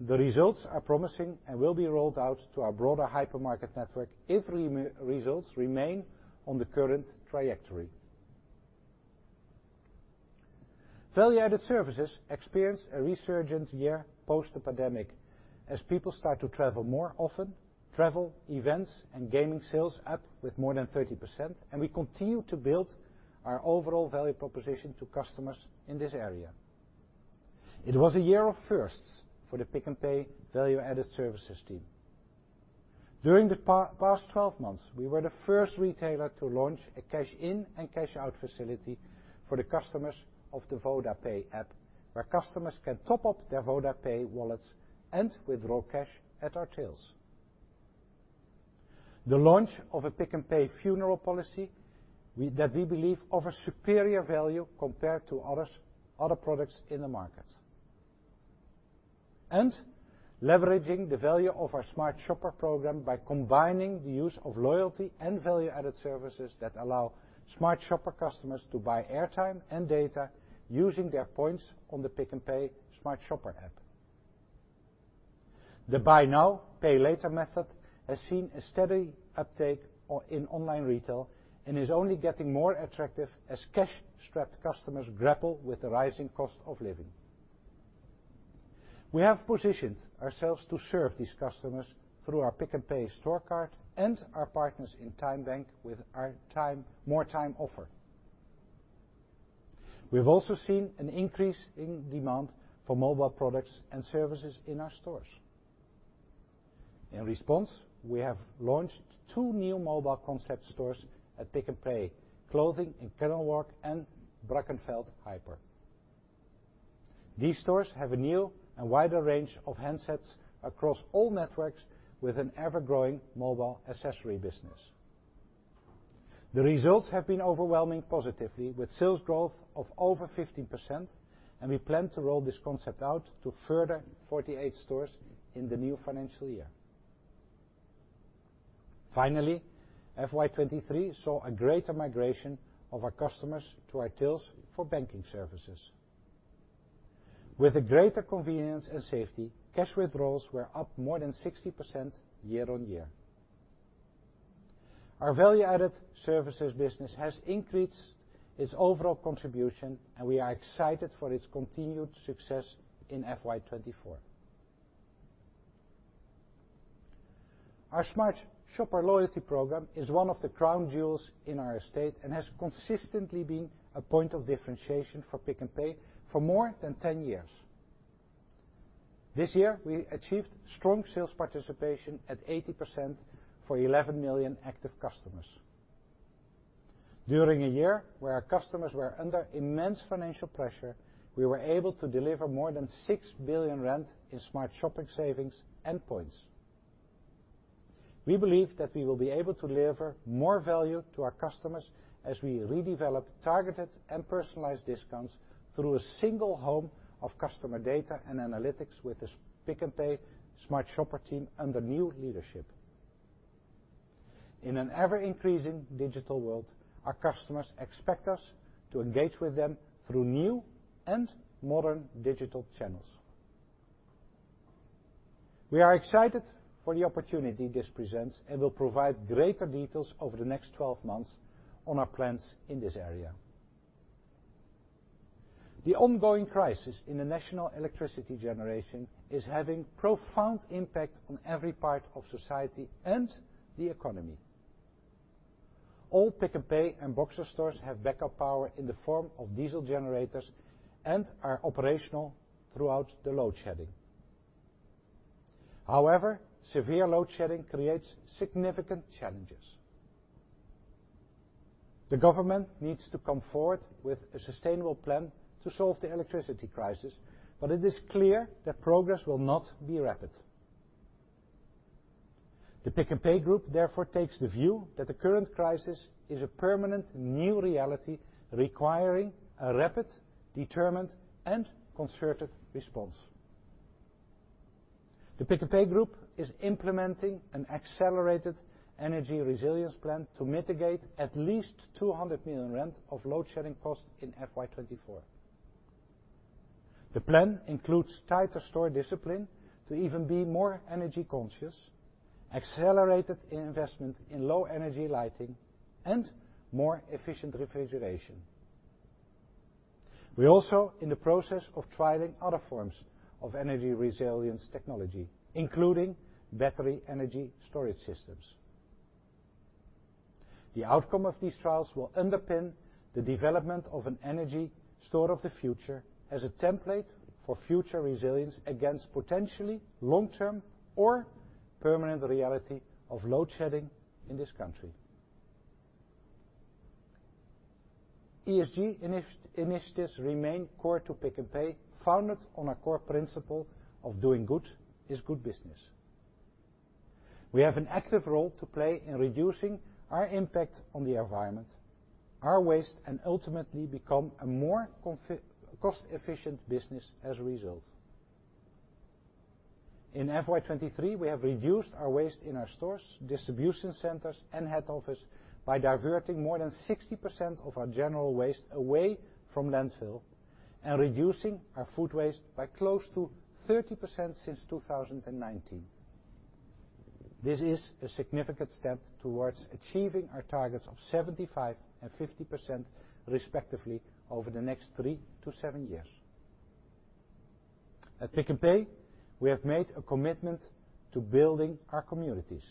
The results are promising and will be rolled out to our broader hypermarket network if results remain on the current trajectory. Value-added services experienced a resurgent year post the pandemic as people start to travel more often, travel, events, and gaming sales up with more than 30%, and we continue to build our overall value proposition to customers in this area. It was a year of firsts for the Pick n Pay value-added services team. During the past 12 months, we were the first retailer to launch a cash-in and cash-out facility for the customers of the VodaPay app, where customers can top up their VodaPay wallets and withdraw cash at our tills. The launch of a Pick n Pay funeral policy that we believe offers superior value compared to other products in the market. Leveraging the value of our Smart Shopper by combining the use of loyalty and value-added services that allow Smart Shopper customers to buy airtime and data using their points on the Pick n Pay Smart Shopper app. The buy now, pay later method has seen a steady uptake in online retail and is only getting more attractive as cash-strapped customers grapple with the rising cost of living. We have positioned ourselves to serve these customers through our Pick n Pay Store Card and our partners in TymeBank with our MoreTyme offer. We have also seen an increase in demand for mobile products and services in our stores. In response, we have launched two new mobile concept stores at Pick n Pay clothing in Kenilworth and Brackenfell Hyper. These stores have a new and wider range of handsets across all networks with an ever-growing mobile accessory business. The results have been overwhelming positively with sales growth of over 15%. We plan to roll this concept out to further 48 stores in the new financial year. FY 2023 saw a greater migration of our customers to our tills for banking services. With a greater convenience and safety, cash withdrawals were up more than 60% year-on-year. Our value-added services business has increased its overall contribution. We are excited for its continued success in FY 2024. Our Smart Shopper loyalty program is one of the crown jewels in our estate and has consistently been a point of differentiation for Pick n Pay for more than 10 years. This year, we achieved strong sales participation at 80% for 11 million active customers. During a year where our customers were under immense financial pressure, we were able to deliver more than 6 billion rand in Smart Shopper savings and points. We believe that we will be able to deliver more value to our customers as we redevelop targeted and personalized discounts through a single home of customer data and analytics with this Pick n Pay Smart Shopper team under new leadership. In an ever-increasing digital world, our customers expect us to engage with them through new and modern digital channels. We are excited for the opportunity this presents and will provide greater details over the next 12 months on our plans in this area. The ongoing crisis in the national electricity generation is having profound impact on every part of society and the economy. All Pick n Pay and Boxer stores have backup power in the form of diesel generators and are operational throughout the load shedding. Severe load shedding creates significant challenges. The government needs to come forward with a sustainable plan to solve the electricity crisis, it is clear that progress will not be rapid. The Pick n Pay Group therefore takes the view that the current crisis is a permanent new reality requiring a rapid, determined, and concerted response. The Pick n Pay Group is implementing an accelerated energy resilience plan to mitigate at least 200 million rand of load shedding costs in FY 2024. The plan includes tighter store discipline to even be more energy conscious, accelerated investment in low energy lighting, and more efficient refrigeration. We're also in the process of trialing other forms of energy resilience technology, including battery energy storage systems. The outcome of these trials will underpin the development of an energy store of the future as a template for future resilience against potentially long-term or permanent reality of load shedding in this country. ESG initiatives remain core to Pick n Pay, founded on a core principle of doing good is good business. We have an active role to play in reducing our impact on the environment, our waste, and ultimately become a more cost-efficient business as a result. In FY 2023, we have reduced our waste in our stores, distribution centers, and head office by diverting more than 60% of our general waste away from landfill and reducing our food waste by close to 30% since 2019. This is a significant step towards achieving our targets of 75% and 50% respectively over the next three to seven years. At Pick n Pay, we have made a commitment to building our communities.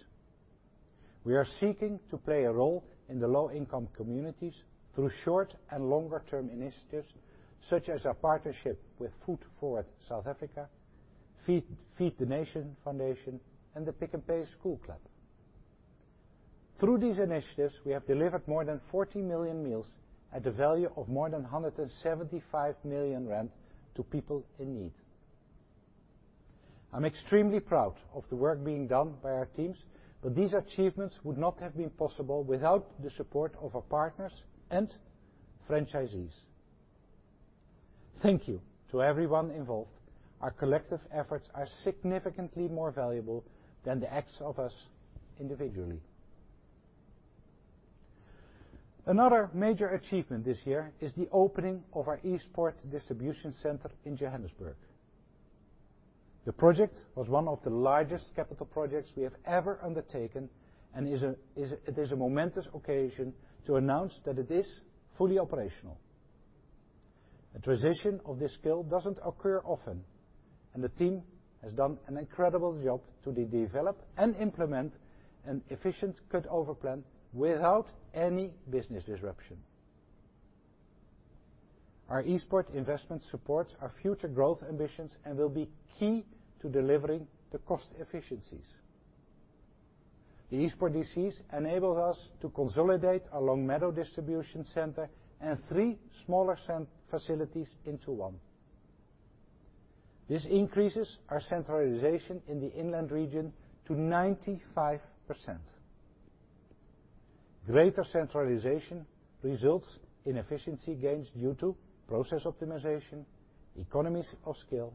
We are seeking to play a role in the low-income communities through short and longer-term initiatives, such as our partnership with FoodForward South Africa, Feed the Nation Foundation, and the Pick n Pay School Club. Through these initiatives, we have delivered more than 40 million meals at the value of more than 175 million rand to people in need. I'm extremely proud of the work being done by our teams, these achievements would not have been possible without the support of our partners and franchisees. Thank you to everyone involved. Our collective efforts are significantly more valuable than the acts of us individually. Another major achievement this year is the opening of our Eastport distribution center in Johannesburg. The project was one of the largest capital projects we have ever undertaken, and it is a momentous occasion to announce that it is fully operational. A transition of this scale doesn't occur often, and the team has done an incredible job to develop and implement an efficient cut-over plan without any business disruption. Our Eastport investment supports our future growth ambitions and will be key to delivering the cost efficiencies. The Eastport DCs enables us to consolidate our Longmeadow distribution center and three smaller facilities into one. This increases our centralization in the inland region to 95%. Greater centralization results in efficiency gains due to process optimization, economies of scale,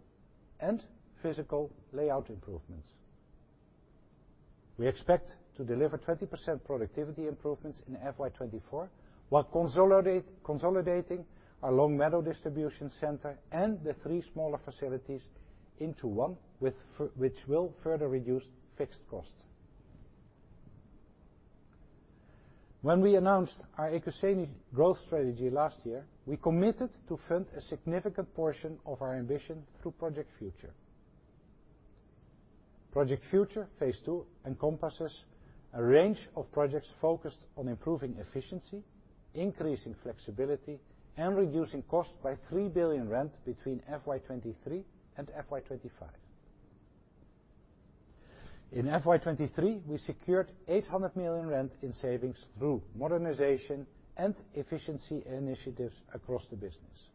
and physical layout improvements. We expect to deliver 20% productivity improvements in FY 2024, while consolidating our Longmeadow distribution center and the three smaller facilities into one, which will further reduce fixed costs. When we announced our Ekuseni growth strategy last year, we committed to fund a significant portion of our ambition through Project Future. Project Future phase II encompasses a range of projects focused on improving efficiency, increasing flexibility, and reducing costs by 3 billion rand between FY 2023 and FY25. In FY 2023, we secured 800 million rand in savings through modernization and efficiency initiatives across the business.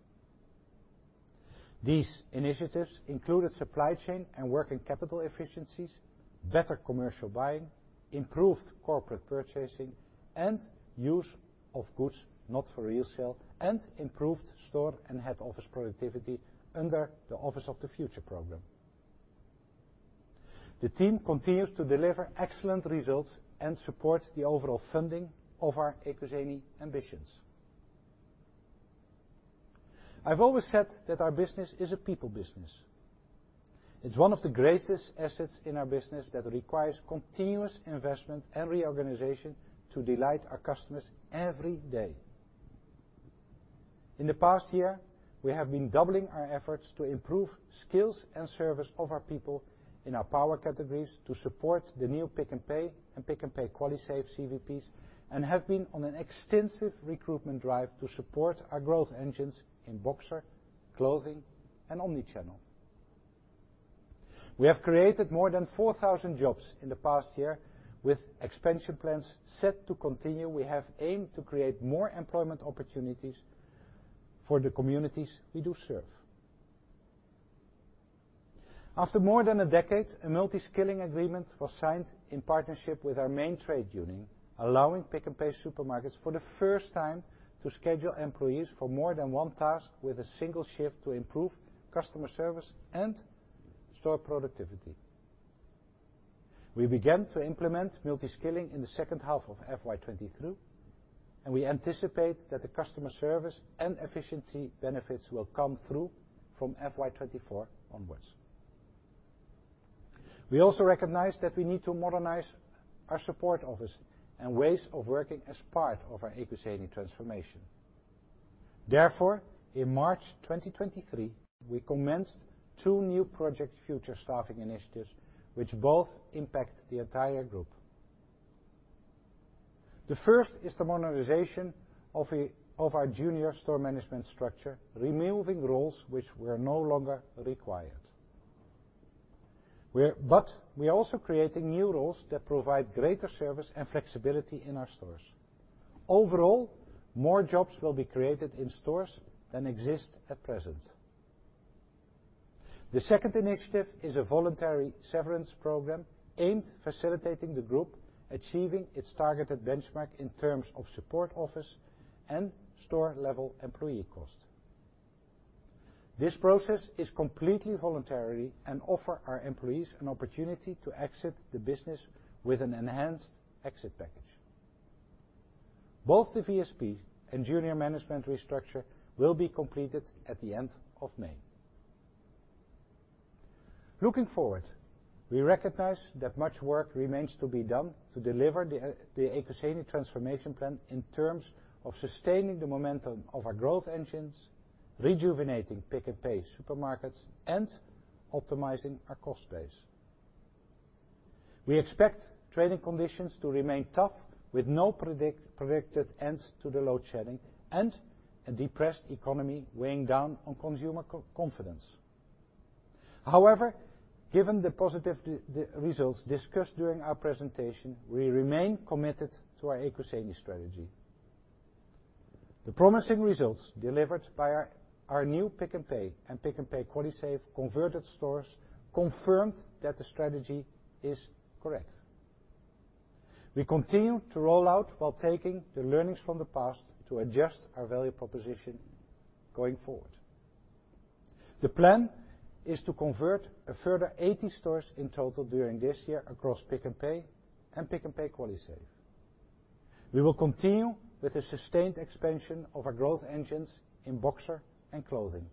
These initiatives included supply chain and working capital efficiencies, better commercial buying, improved corporate purchasing, and use of goods not for resale, and improved store and head office productivity under the Office of the Future program. The team continues to deliver excellent results and support the overall funding of our Ekuseni ambitions. I've always said that our business is a people business. It's one of the greatest assets in our business that requires continuous investment and reorganization to delight our customers every day. In the past year, we have been doubling our efforts to improve skills and service of our people in our Power categories to support the new Pick n Pay and Pick n Pay QualiSave CVPs, and have been on an extensive recruitment drive to support our growth engines in Boxer, clothing, and omni-channel. We have created more than 4,000 jobs in the past year. With expansion plans set to continue, we have aimed to create more employment opportunities for the communities we do serve. After more than a decade, a multi-skilling agreement was signed in partnership with our main trade union, allowing Pick n Pay supermarkets for the first time to schedule employees for more than one task with a single shift to improve customer service and store productivity. We began to implement multi-skilling in the second half of FY 2022, and we anticipate that the customer service and efficiency benefits will come through from FY 2024 onwards. We also recognize that we need to modernize our support office and ways of working as part of our Ekuseni transformation. Therefore, in March 2023, we commenced two new Project Future staffing initiatives, which both impact the entire group. The first is the modernization of our junior store management structure, removing roles which were no longer required. We're also creating new roles that provide greater service and flexibility in our stores. Overall, more jobs will be created in stores than exist at present. The second initiative is a voluntary severance program aimed facilitating the group achieving its targeted benchmark in terms of support office and store level employee costs. This process is completely voluntary and offer our employees an opportunity to exit the business with an enhanced exit package. Both the VSP and junior management restructure will be completed at the end of May. Looking forward, we recognize that much work remains to be done to deliver the Ekuseni transformation plan in terms of sustaining the momentum of our growth engines, rejuvenating Pick n Pay supermarkets and optimizing our cost base. We expect trading conditions to remain tough, with no predicted end to the load shedding and a depressed economy weighing down on consumer confidence. However, given the positive the results discussed during our presentation, we remain committed to our Ekuseni strategy. The promising results delivered by our new Pick n Pay and Pick n Pay QualiSave converted stores confirmed that the strategy is correct. We continue to roll out while taking the learnings from the past to adjust our value proposition going forward. The plan is to convert a further 80 stores in total during this year across Pick n Pay and Pick n Pay QualiSave. We will continue with the sustained expansion of our growth engines in Boxer and clothing.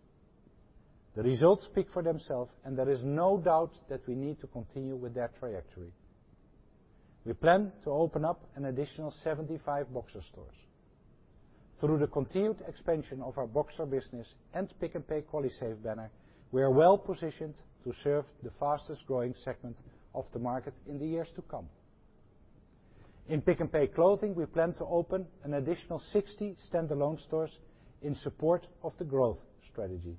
The results speak for themselves, and there is no doubt that we need to continue with that trajectory. We plan to open up an additional 75 Boxer stores. Through the continued expansion of our Boxer business and Pick n Pay QualiSave banner, we are well-positioned to serve the fastest-growing segment of the market in the years to come. In Pick n Pay clothing, we plan to open an additional 60 standalone stores in support of the growth strategy.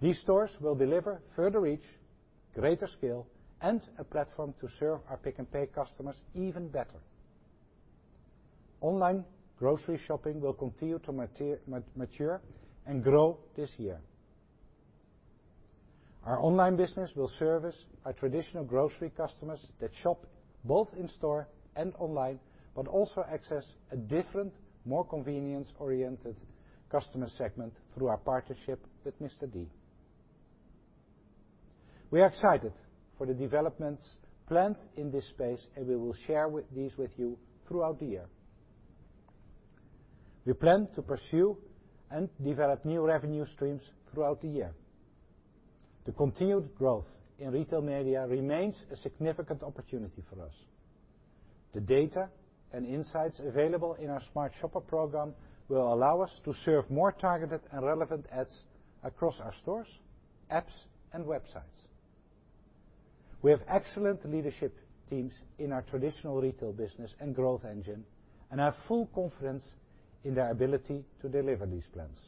These stores will deliver further reach, greater scale, and a platform to serve our Pick n Pay customers even better. Online grocery shopping will continue to mature and grow this year. Our online business will service our traditional grocery customers that shop both in store and online, but also access a different, more convenience-oriented customer segment through our partnership with Mr D. We are excited for the developments planned in this space, we will share with these with you throughout the year. We plan to pursue and develop new revenue streams throughout the year. The continued growth in retail media remains a significant opportunity for us. The data and insights available in our Smart Shopper program will allow us to serve more targeted and relevant ads across our stores, apps, and websites. We have excellent leadership teams in our traditional retail business and growth engine, and have full confidence in their ability to deliver these plans.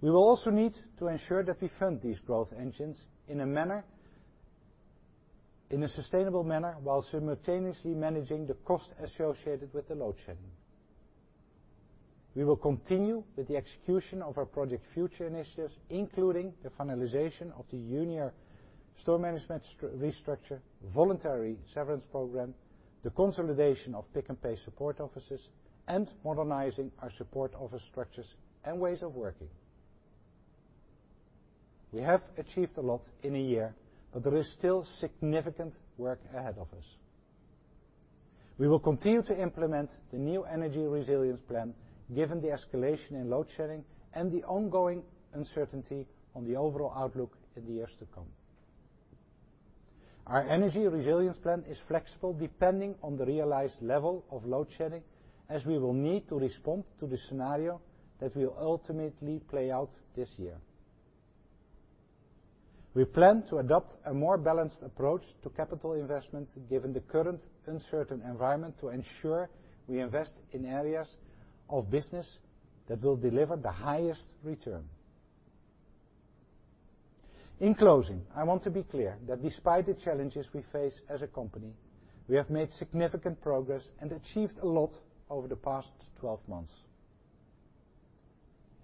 We will also need to ensure that we fund these growth engines in a sustainable manner while simultaneously managing the cost associated with the load shedding. We will continue with the execution of our Project Future initiatives, including the finalization of the junior store management restructure, voluntary severance program, the consolidation of Pick n Pay support offices, and modernizing our support office structures and ways of working. We have achieved a lot in a year, but there is still significant work ahead of us. We will continue to implement the new energy resilience plan, given the escalation in load shedding and the ongoing uncertainty on the overall outlook in the years to come. Our energy resilience plan is flexible, depending on the realized level of load shedding, as we will need to respond to the scenario that will ultimately play out this year. We plan to adopt a more balanced approach to capital investment, given the current uncertain environment, to ensure we invest in areas of business that will deliver the highest return. In closing, I want to be clear that despite the challenges we face as a company, we have made significant progress and achieved a lot over the past 12 months.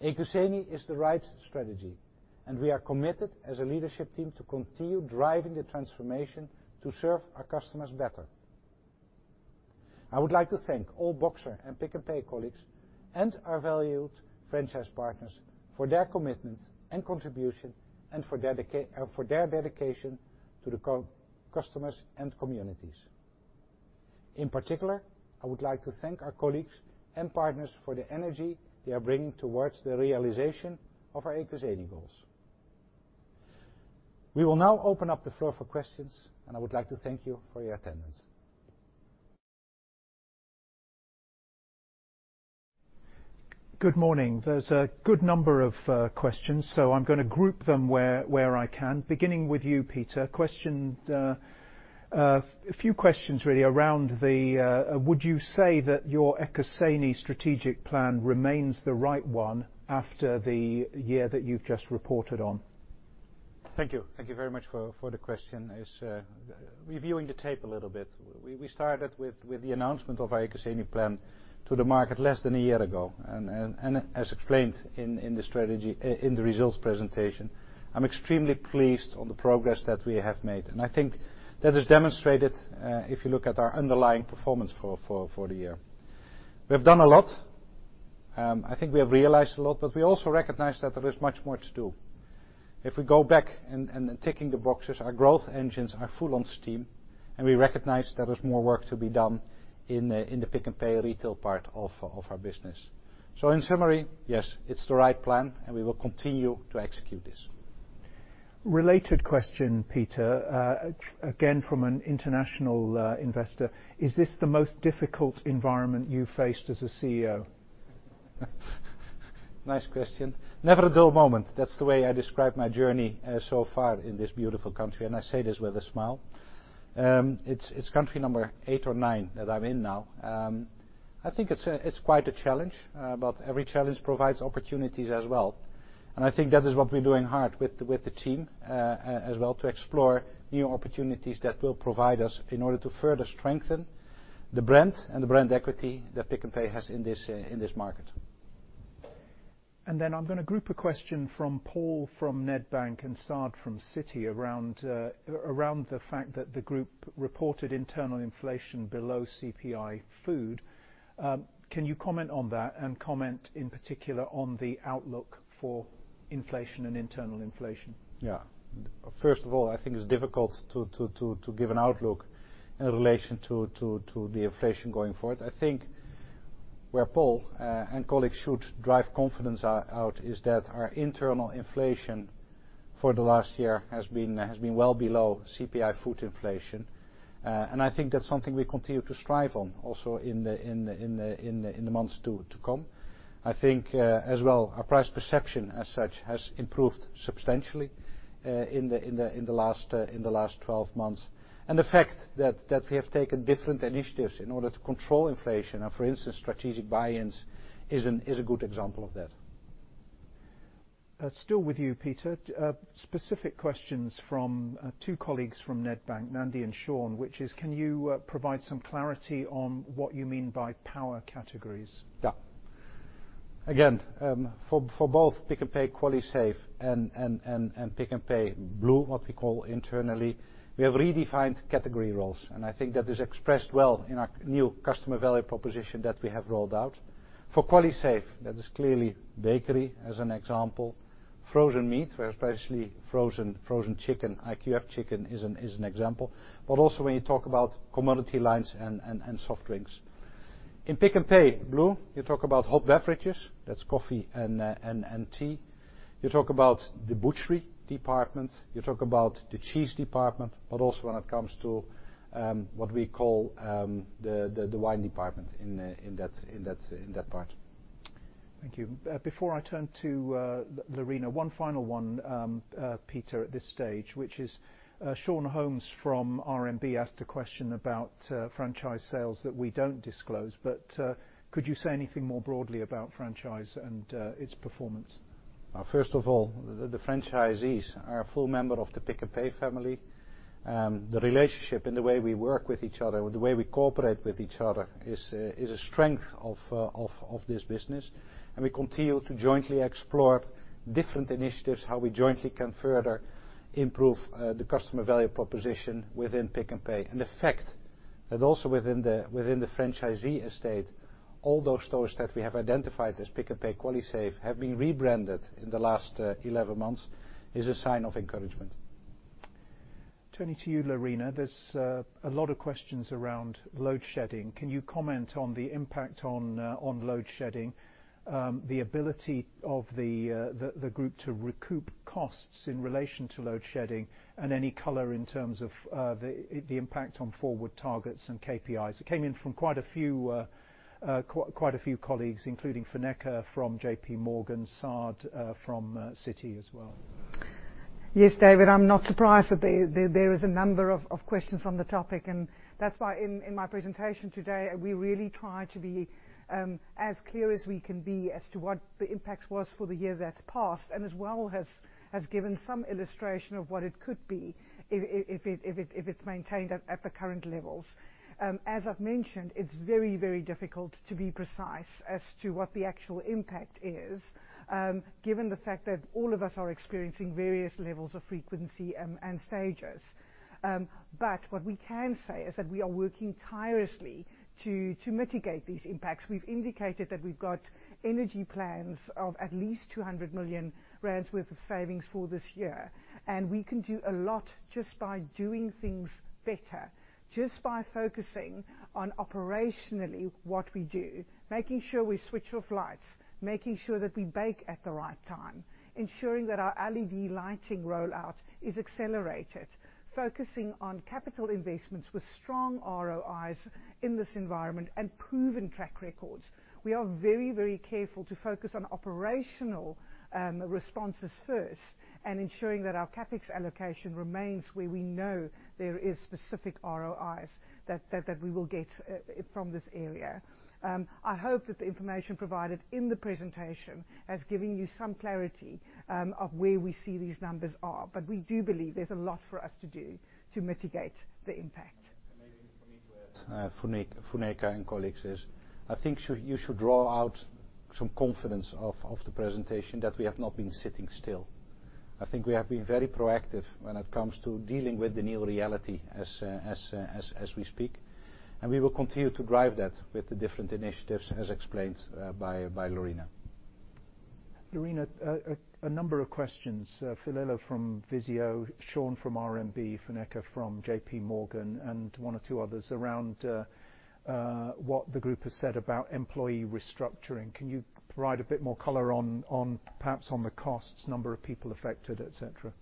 Ekuseni is the right strategy, and we are committed as a leadership team to continue driving the transformation to serve our customers better. I would like to thank all Boxer and Pick n Pay colleagues and our valued franchise partners for their commitment and contribution, and for their dedication to the customers and communities. In particular, I would like to thank our colleagues and partners for the energy they are bringing towards the realization of our Ekuseni goals. We will now open up the floor for questions. I would like to thank you for your attendance. Good morning. There's a good number of questions, so I'm gonna group them where I can, beginning with you, Pieter. Question, a few questions really around the, would you say that your Ekuseni strategic plan remains the right one after the year that you've just reported on? Thank you. Thank you very much for the question. It's reviewing the tape a little bit. We started with the announcement of our Ekuseni plan to the market less than a year ago. As explained in the strategy, in the results presentation, I'm extremely pleased on the progress that we have made. I think that is demonstrated if you look at our underlying performance for the year. We've done a lot. I think we have realized a lot, but we also recognize that there is much more to do. If we go back and ticking the boxes, our growth engines are full on steam, and we recognize there is more work to be done in the Pick n Pay retail part of our business. In summary, yes, it's the right plan, and we will continue to execute this. Related question, Pieter, again from an international investor. Is this the most difficult environment you faced as a CEO? Nice question. Never a dull moment. That's the way I describe my journey, so far in this beautiful country, and I say this with a smile. It's country number eight or nine that I'm in now. I think it's quite a challenge, but every challenge provides opportunities as well. I think that is what we're doing hard with the team, as well to explore new opportunities that will provide us in order to further strengthen the brand and the brand equity that Pick n Pay has in this market. I'm gonna group a question from Paul from Nedbank and Saad from Citi around the fact that the group reported internal inflation below CPI food. Can you comment on that and comment in particular on the outlook for inflation and internal inflation? Yeah. First of all, I think it's difficult to give an outlook in relation to the inflation going forward. I think where Paul and colleagues should drive confidence out is that our internal inflation for the last year has been well below CPI food inflation. I think that's something we continue to strive on also in the months to come. I think as well our price perception as such has improved substantially in the last 12 months. The fact that we have taken different initiatives in order to control inflation, for instance, strategic buy-ins, is a good example of that. Still with you, Pieter, specific questions from two colleagues from Nedbank, Nandi and Sean, which is can you provide some clarity on what you mean by Power categories? Yeah. Again, for both Pick n Pay QualiSave and Pick n Pay Blue, what we call internally, we have redefined category roles, and I think that is expressed well in our new customer value proposition that we have rolled out. For QualiSave, that is clearly bakery as an example, frozen meat, where especially frozen chicken, IQF chicken is an example, but also when you talk about commodity lines and soft drinks. In Pick n Pay Blue, you talk about hot beverages, that's coffee and tea. You talk about the butchery department. You talk about the cheese department, but also when it comes to what we call the wine department in that part. Thank you. Before I turn to Lerena, one final one, Pieter, at this stage, which is Sean Holmes from RMB asked a question about franchise sales that we don't disclose. Could you say anything more broadly about franchise and its performance? First of all, the franchisees are a full member of the Pick n Pay family. The relationship and the way we work with each other, the way we cooperate with each other is a strength of this business. We continue to jointly explore different initiatives, how we jointly can further improve the customer value proposition within Pick n Pay. The fact that also within the franchisee estate, all those stores that we have identified as Pick n Pay QualiSave have been rebranded in the last 11 months is a sign of encouragement. Turning to you, Lerena, there's a lot of questions around load shedding. Can you comment on the impact on load shedding, the ability of the group to recoup costs in relation to load shedding and any color in terms of the impact on forward targets and KPIs? It came in from quite a few colleagues, including Funeka from JPMorgan, Saad from Citi as well. Yes, David, I'm not surprised that there is a number of questions on the topic. That's why in my presentation today, we really try to be as clear as we can be as to what the impact was for the year that's passed and as well has given some illustration of what it could be if it's maintained at the current levels. As I've mentioned, it's very, very difficult to be precise as to what the actual impact is. Given the fact that all of us are experiencing various levels of frequency and stages. What we can say is that we are working tirelessly to mitigate these impacts. We've indicated that we've got energy plans of at least 200 million rand worth of savings for this year. We can do a lot just by doing things better. Just by focusing on operationally what we do, making sure we switch off lights, making sure that we bake at the right time, ensuring that our LED lighting rollout is accelerated. Focusing on capital investments with strong ROIs in this environment and proven track records. We are very, very careful to focus on operational responses first and ensuring that our CapEx allocation remains where we know there is specific ROIs that we will get from this area. I hope that the information provided in the presentation has given you some clarity of where we see these numbers are. We do believe there's a lot for us to do to mitigate the impact. Maybe for me to add, for Funeka and colleagues is, I think you should draw out some confidence of the presentation that we have not been sitting still. I think we have been very proactive when it comes to dealing with the new reality as we speak, and we will continue to drive that with the different initiatives as explained, by Lerena. Lerena, a number of questions. Philemon from Visio, Sean from RMB, Funeka from JPMorgan, and one or two others around what the group has said about employee restructuring. Can you provide a bit more color on perhaps on the costs, number of people affected, et cetera?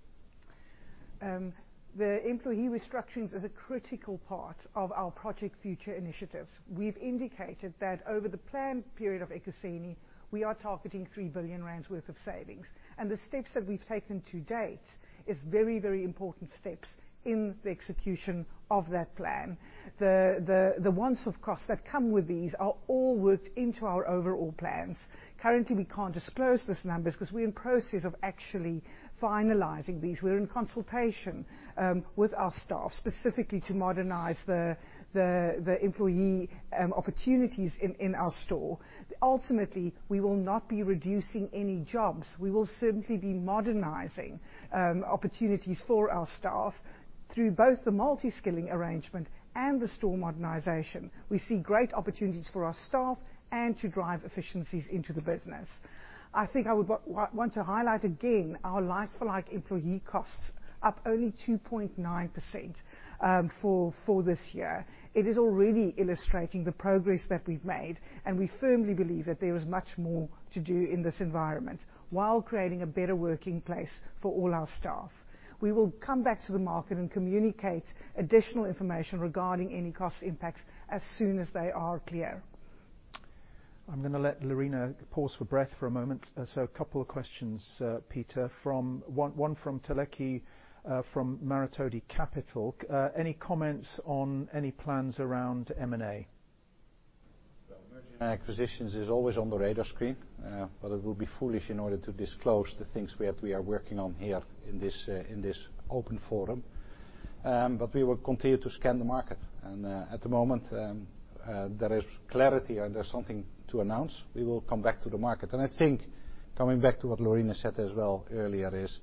The employee restructurings is a critical part of our Project Future initiatives. We've indicated that over the planned period of Ekuseni, we are targeting 3 billion rand worth of savings, the steps that we've taken to date is very important steps in the execution of that plan. The once-off costs that come with these are all worked into our overall plans. Currently, we can't disclose those numbers 'cause we're in process of actually finalizing these. We're in consultation with our staff specifically to modernize the employee opportunities in our store. Ultimately, we will not be reducing any jobs. We will simply be modernizing opportunities for our staff through both the multi-skilling arrangement and the store modernization. We see great opportunities for our staff and to drive efficiencies into the business. I think I would want to highlight again our like-for-like employee costs up only 2.9% for this year. It is already illustrating the progress that we've made. We firmly believe that there is much more to do in this environment while creating a better working place for all our staff. We will come back to the market and communicate additional information regarding any cost impacts as soon as they are clear. I'm gonna let Lerena pause for breath for a moment. A couple of questions, Pieter, from one from Telleki, from Maritoni Capital. Any comments on any plans around M&A? Merger and acquisitions is always on the radar screen, but it would be foolish in order to disclose the things we are working on here in this open forum. We will continue to scan the market, and at the moment, there is clarity and there's something to announce, we will come back to the market. I think coming back to what Lerena said as well earlier is,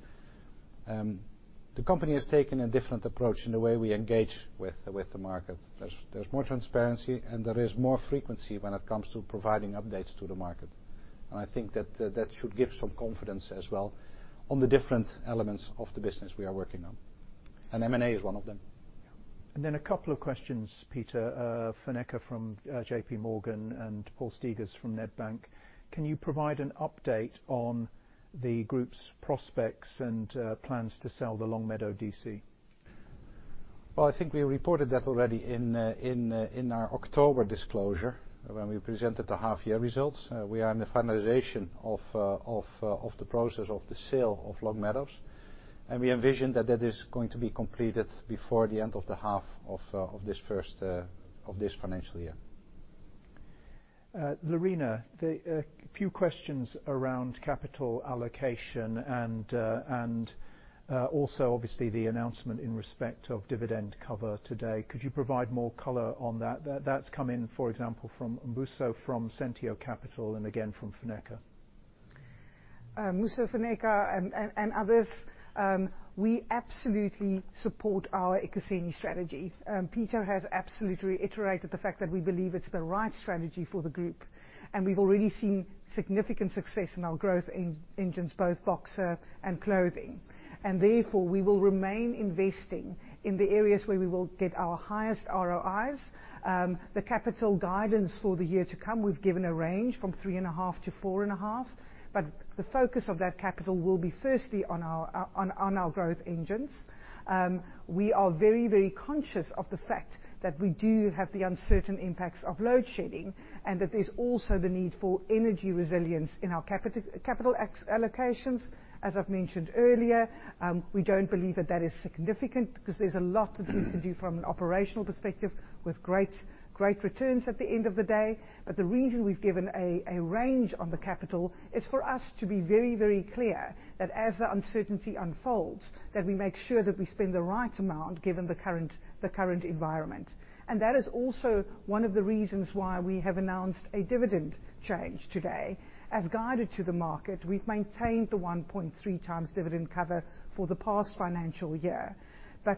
the company has taken a different approach in the way we engage with the market. There's more transparency and there is more frequency when it comes to providing updates to the market. I think that should give some confidence as well on the different elements of the business we are working on, and M&A is one of them. A couple of questions, Pieter. Funeka from JP Morgan and Paul Steegers from Nedbank. Can you provide an update on the group's prospects and plans to sell the Longmeadow DC? I think we reported that already in our October disclosure when we presented the half-year results. We are in the finalization of the process of the sale of Longmeadow, and we envision that that is going to be completed before the end of the half of this first of this financial year. Lerena, the few questions around capital allocation and also obviously the announcement in respect of dividend cover today. Could you provide more color on that? That's come in, for example, from Mbuso, from Sentio Capital, and again from Funeka. Mbuso, Funeka and others, we absolutely support our Ekuseni strategy. Pieter has absolutely reiterated the fact that we believe it's the right strategy for the group, we've already seen significant success in our growth engines, both Boxer and clothing. We will remain investing in the areas where we will get our highest ROIs. The capital guidance for the year to come, we've given a range from 3.5 billion-4.5 billion, the focus of that capital will be firstly on our growth engines. We are very conscious of the fact that we do have the uncertain impacts of load shedding, there's also the need for energy resilience in our capital allocations. As I've mentioned earlier, we don't believe that that is significant because there's a lot that we can do from an operational perspective with great returns at the end of the day. The reason we've given a range on the capital is for us to be very, very clear that as the uncertainty unfolds, that we make sure that we spend the right amount given the current environment. That is also one of the reasons why we have announced a dividend change today. As guided to the market, we've maintained the 1.3 times dividend cover for the past financial year.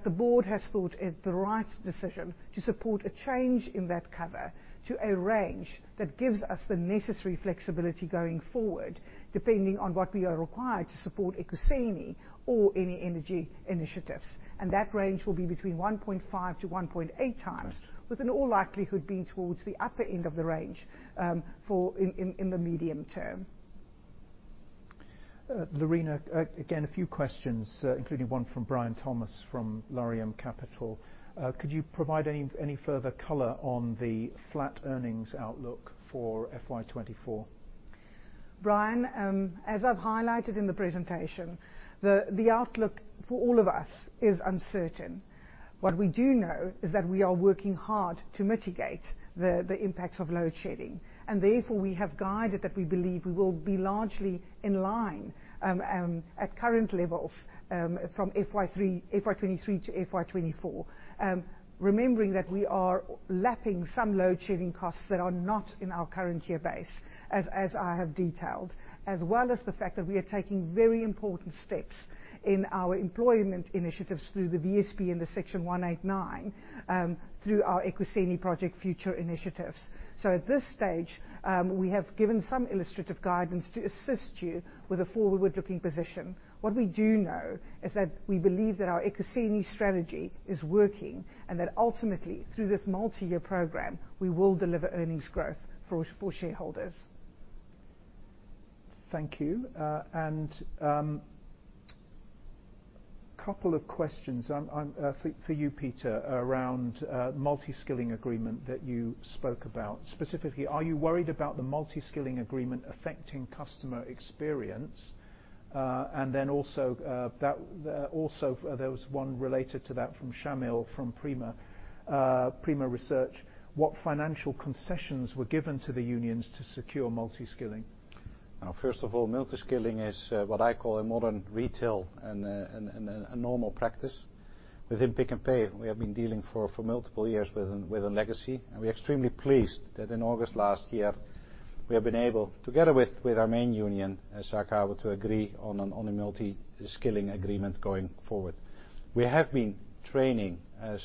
The board has thought it the right decision to support a change in that cover to a range that gives us the necessary flexibility going forward, depending on what we are required to support Ekuseni or any energy initiatives. That range will be between 1.5x to 1.8x, with in all likelihood being towards the upper end of the range, for in the medium term. Lerena, again, a few questions, including one from Brian Thomas from Laurium Capital. Could you provide any further color on the flat earnings outlook for FY 2024? Brian, as I've highlighted in the presentation, the outlook for all of us is uncertain. What we do know is that we are working hard to mitigate the impacts of load shedding, therefore we have guided that we believe we will be largely in line at current levels from FY 2023 to FY 2024. Remembering that we are lapping some load-shedding costs that are not in our current year base, as I have detailed, as well as the fact that we are taking very important steps in our employment initiatives through the VSP and the Section 189 through our Ekuseni Project Future initiatives. At this stage, we have given some illustrative guidance to assist you with a forward-looking position. What we do know is that we believe that our Ekuseni strategy is working, and that ultimately, through this multi-year program, we will deliver earnings growth for shareholders. Thank you. Couple of questions for you, Pieter, around multi-skilling agreement that you spoke about. Specifically, are you worried about the multi-skilling agreement affecting customer experience? Then also there was one related to that from Shamil, from Prima Research. What financial concessions were given to the unions to secure multi-skilling? First of all, multi-skilling is what I call a modern retail and a normal practice. Within Pick n Pay, we have been dealing for multiple years with a legacy, we're extremely pleased that in August last year we have been able, together with our main union, SACCAWU, to agree on a multi-skilling agreement going forward. We have been training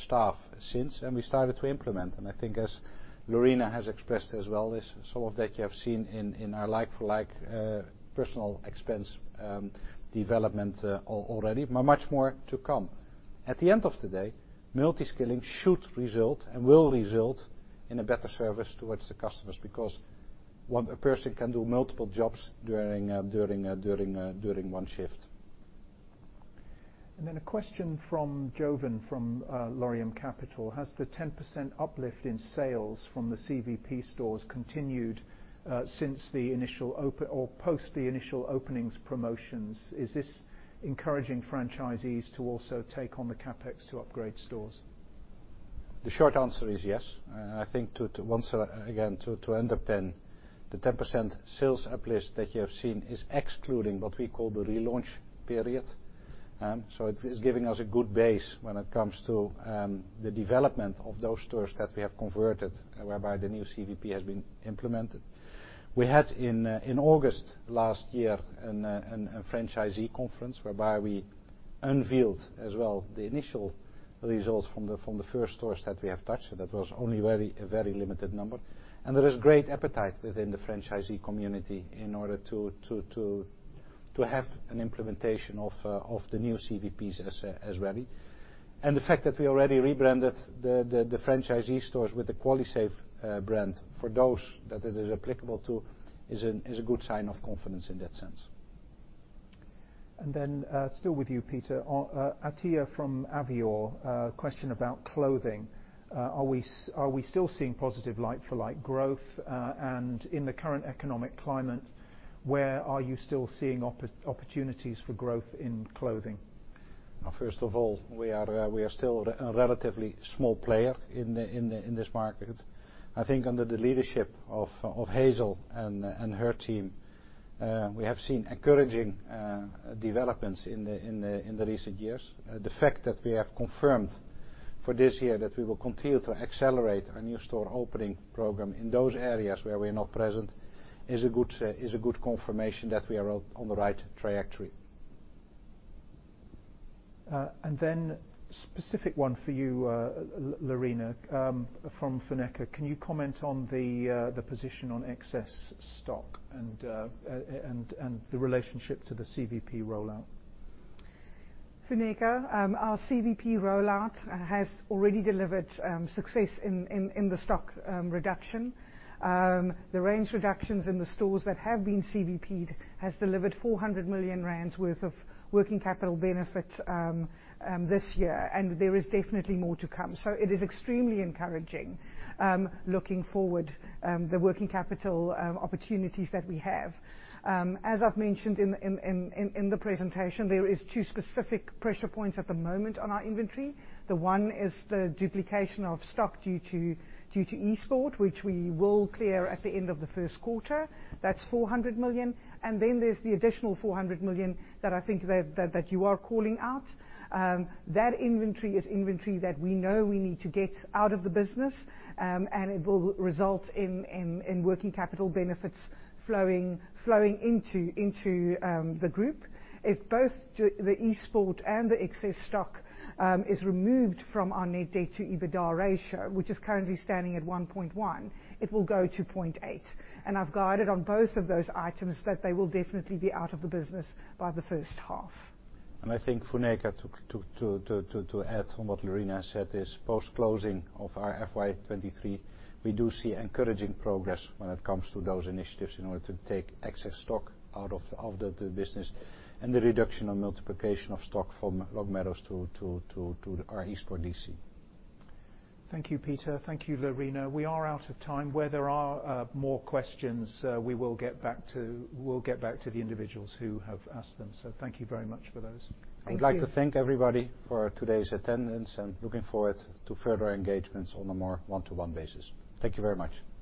staff since, we started to implement. I think as Lerena has expressed as well, is some of that you have seen in our like-for-like personal expense development already, much more to come. At the end of the day, multi-skilling should result and will result in a better service towards the customers because one person can do multiple jobs during one shift. A question from Jovan, from Laurium Capital. Has the 10% uplift in sales from the CVP stores continued since the initial or post the initial openings promotions? Is this encouraging franchisees to also take on the CapEx to upgrade stores? The short answer is yes. I think to once again, to end up, the 10% sales uplift that you have seen is excluding what we call the relaunch period. It is giving us a good base when it comes to the development of those stores that we have converted, whereby the new CVP has been implemented. We had in August last year a franchisee conference whereby we unveiled as well the initial results from the first stores that we have touched, and that was only a very limited number. There is great appetite within the franchisee community in order to have an implementation of the new CVPs as well. The fact that we already rebranded the franchisee stores with the QualiSave brand for those that it is applicable to is a good sign of confidence in that sense. Still with you, Pieter. Atiyyah from Avior, question about clothing. Are we still seeing positive like-for-like growth? In the current economic climate, where are you still seeing opportunities for growth in clothing? First of all, we are still a relatively small player in this market. I think under the leadership of Hazel and her team, we have seen encouraging developments in the recent years. The fact that we have confirmed for this year that we will continue to accelerate our new store opening program in those areas where we're not present is a good confirmation that we are on the right trajectory. Then specific one for you, Lerena, from Funeka. Can you comment on the position on excess stock and the relationship to the CVP rollout? Funeka, our CVP rollout has already delivered success in the stock reduction. The range reductions in the stores that have been CVP'd has delivered 400 million rand worth of working capital benefits this year, there is definitely more to come. It is extremely encouraging looking forward, the working capital opportunities that we have. As I've mentioned in the presentation, there is two specific pressure points at the moment on our inventory. The one is the duplication of stock due to Eastport, which we will clear at the end of the first quarter. That's 400 million. Then there's the additional 400 million that I think that you are calling out. That inventory is inventory that we know we need to get out of the business, and it will result in working capital benefits flowing into the group. If both the Eastport and the excess stock is removed from our net debt to EBITDA ratio, which is currently standing at 1.1, it will go to 0.8. I've guided on both of those items that they will definitely be out of the business by the first half. I think, Funeka, to add from what Lerena said is post-closing of our FY 2023, we do see encouraging progress when it comes to those initiatives in order to take excess stock out of the business and the reduction of multiplication of stock from Longmeadow to our Eastport DC. Thank you, Pieter. Thank you, Lerena. We are out of time. Where there are, more questions, we'll get back to the individuals who have asked them. Thank you very much for those. Thank you. I'd like to thank everybody for today's attendance, and looking forward to further engagements on a more one-to-one basis. Thank you very much. Thank you.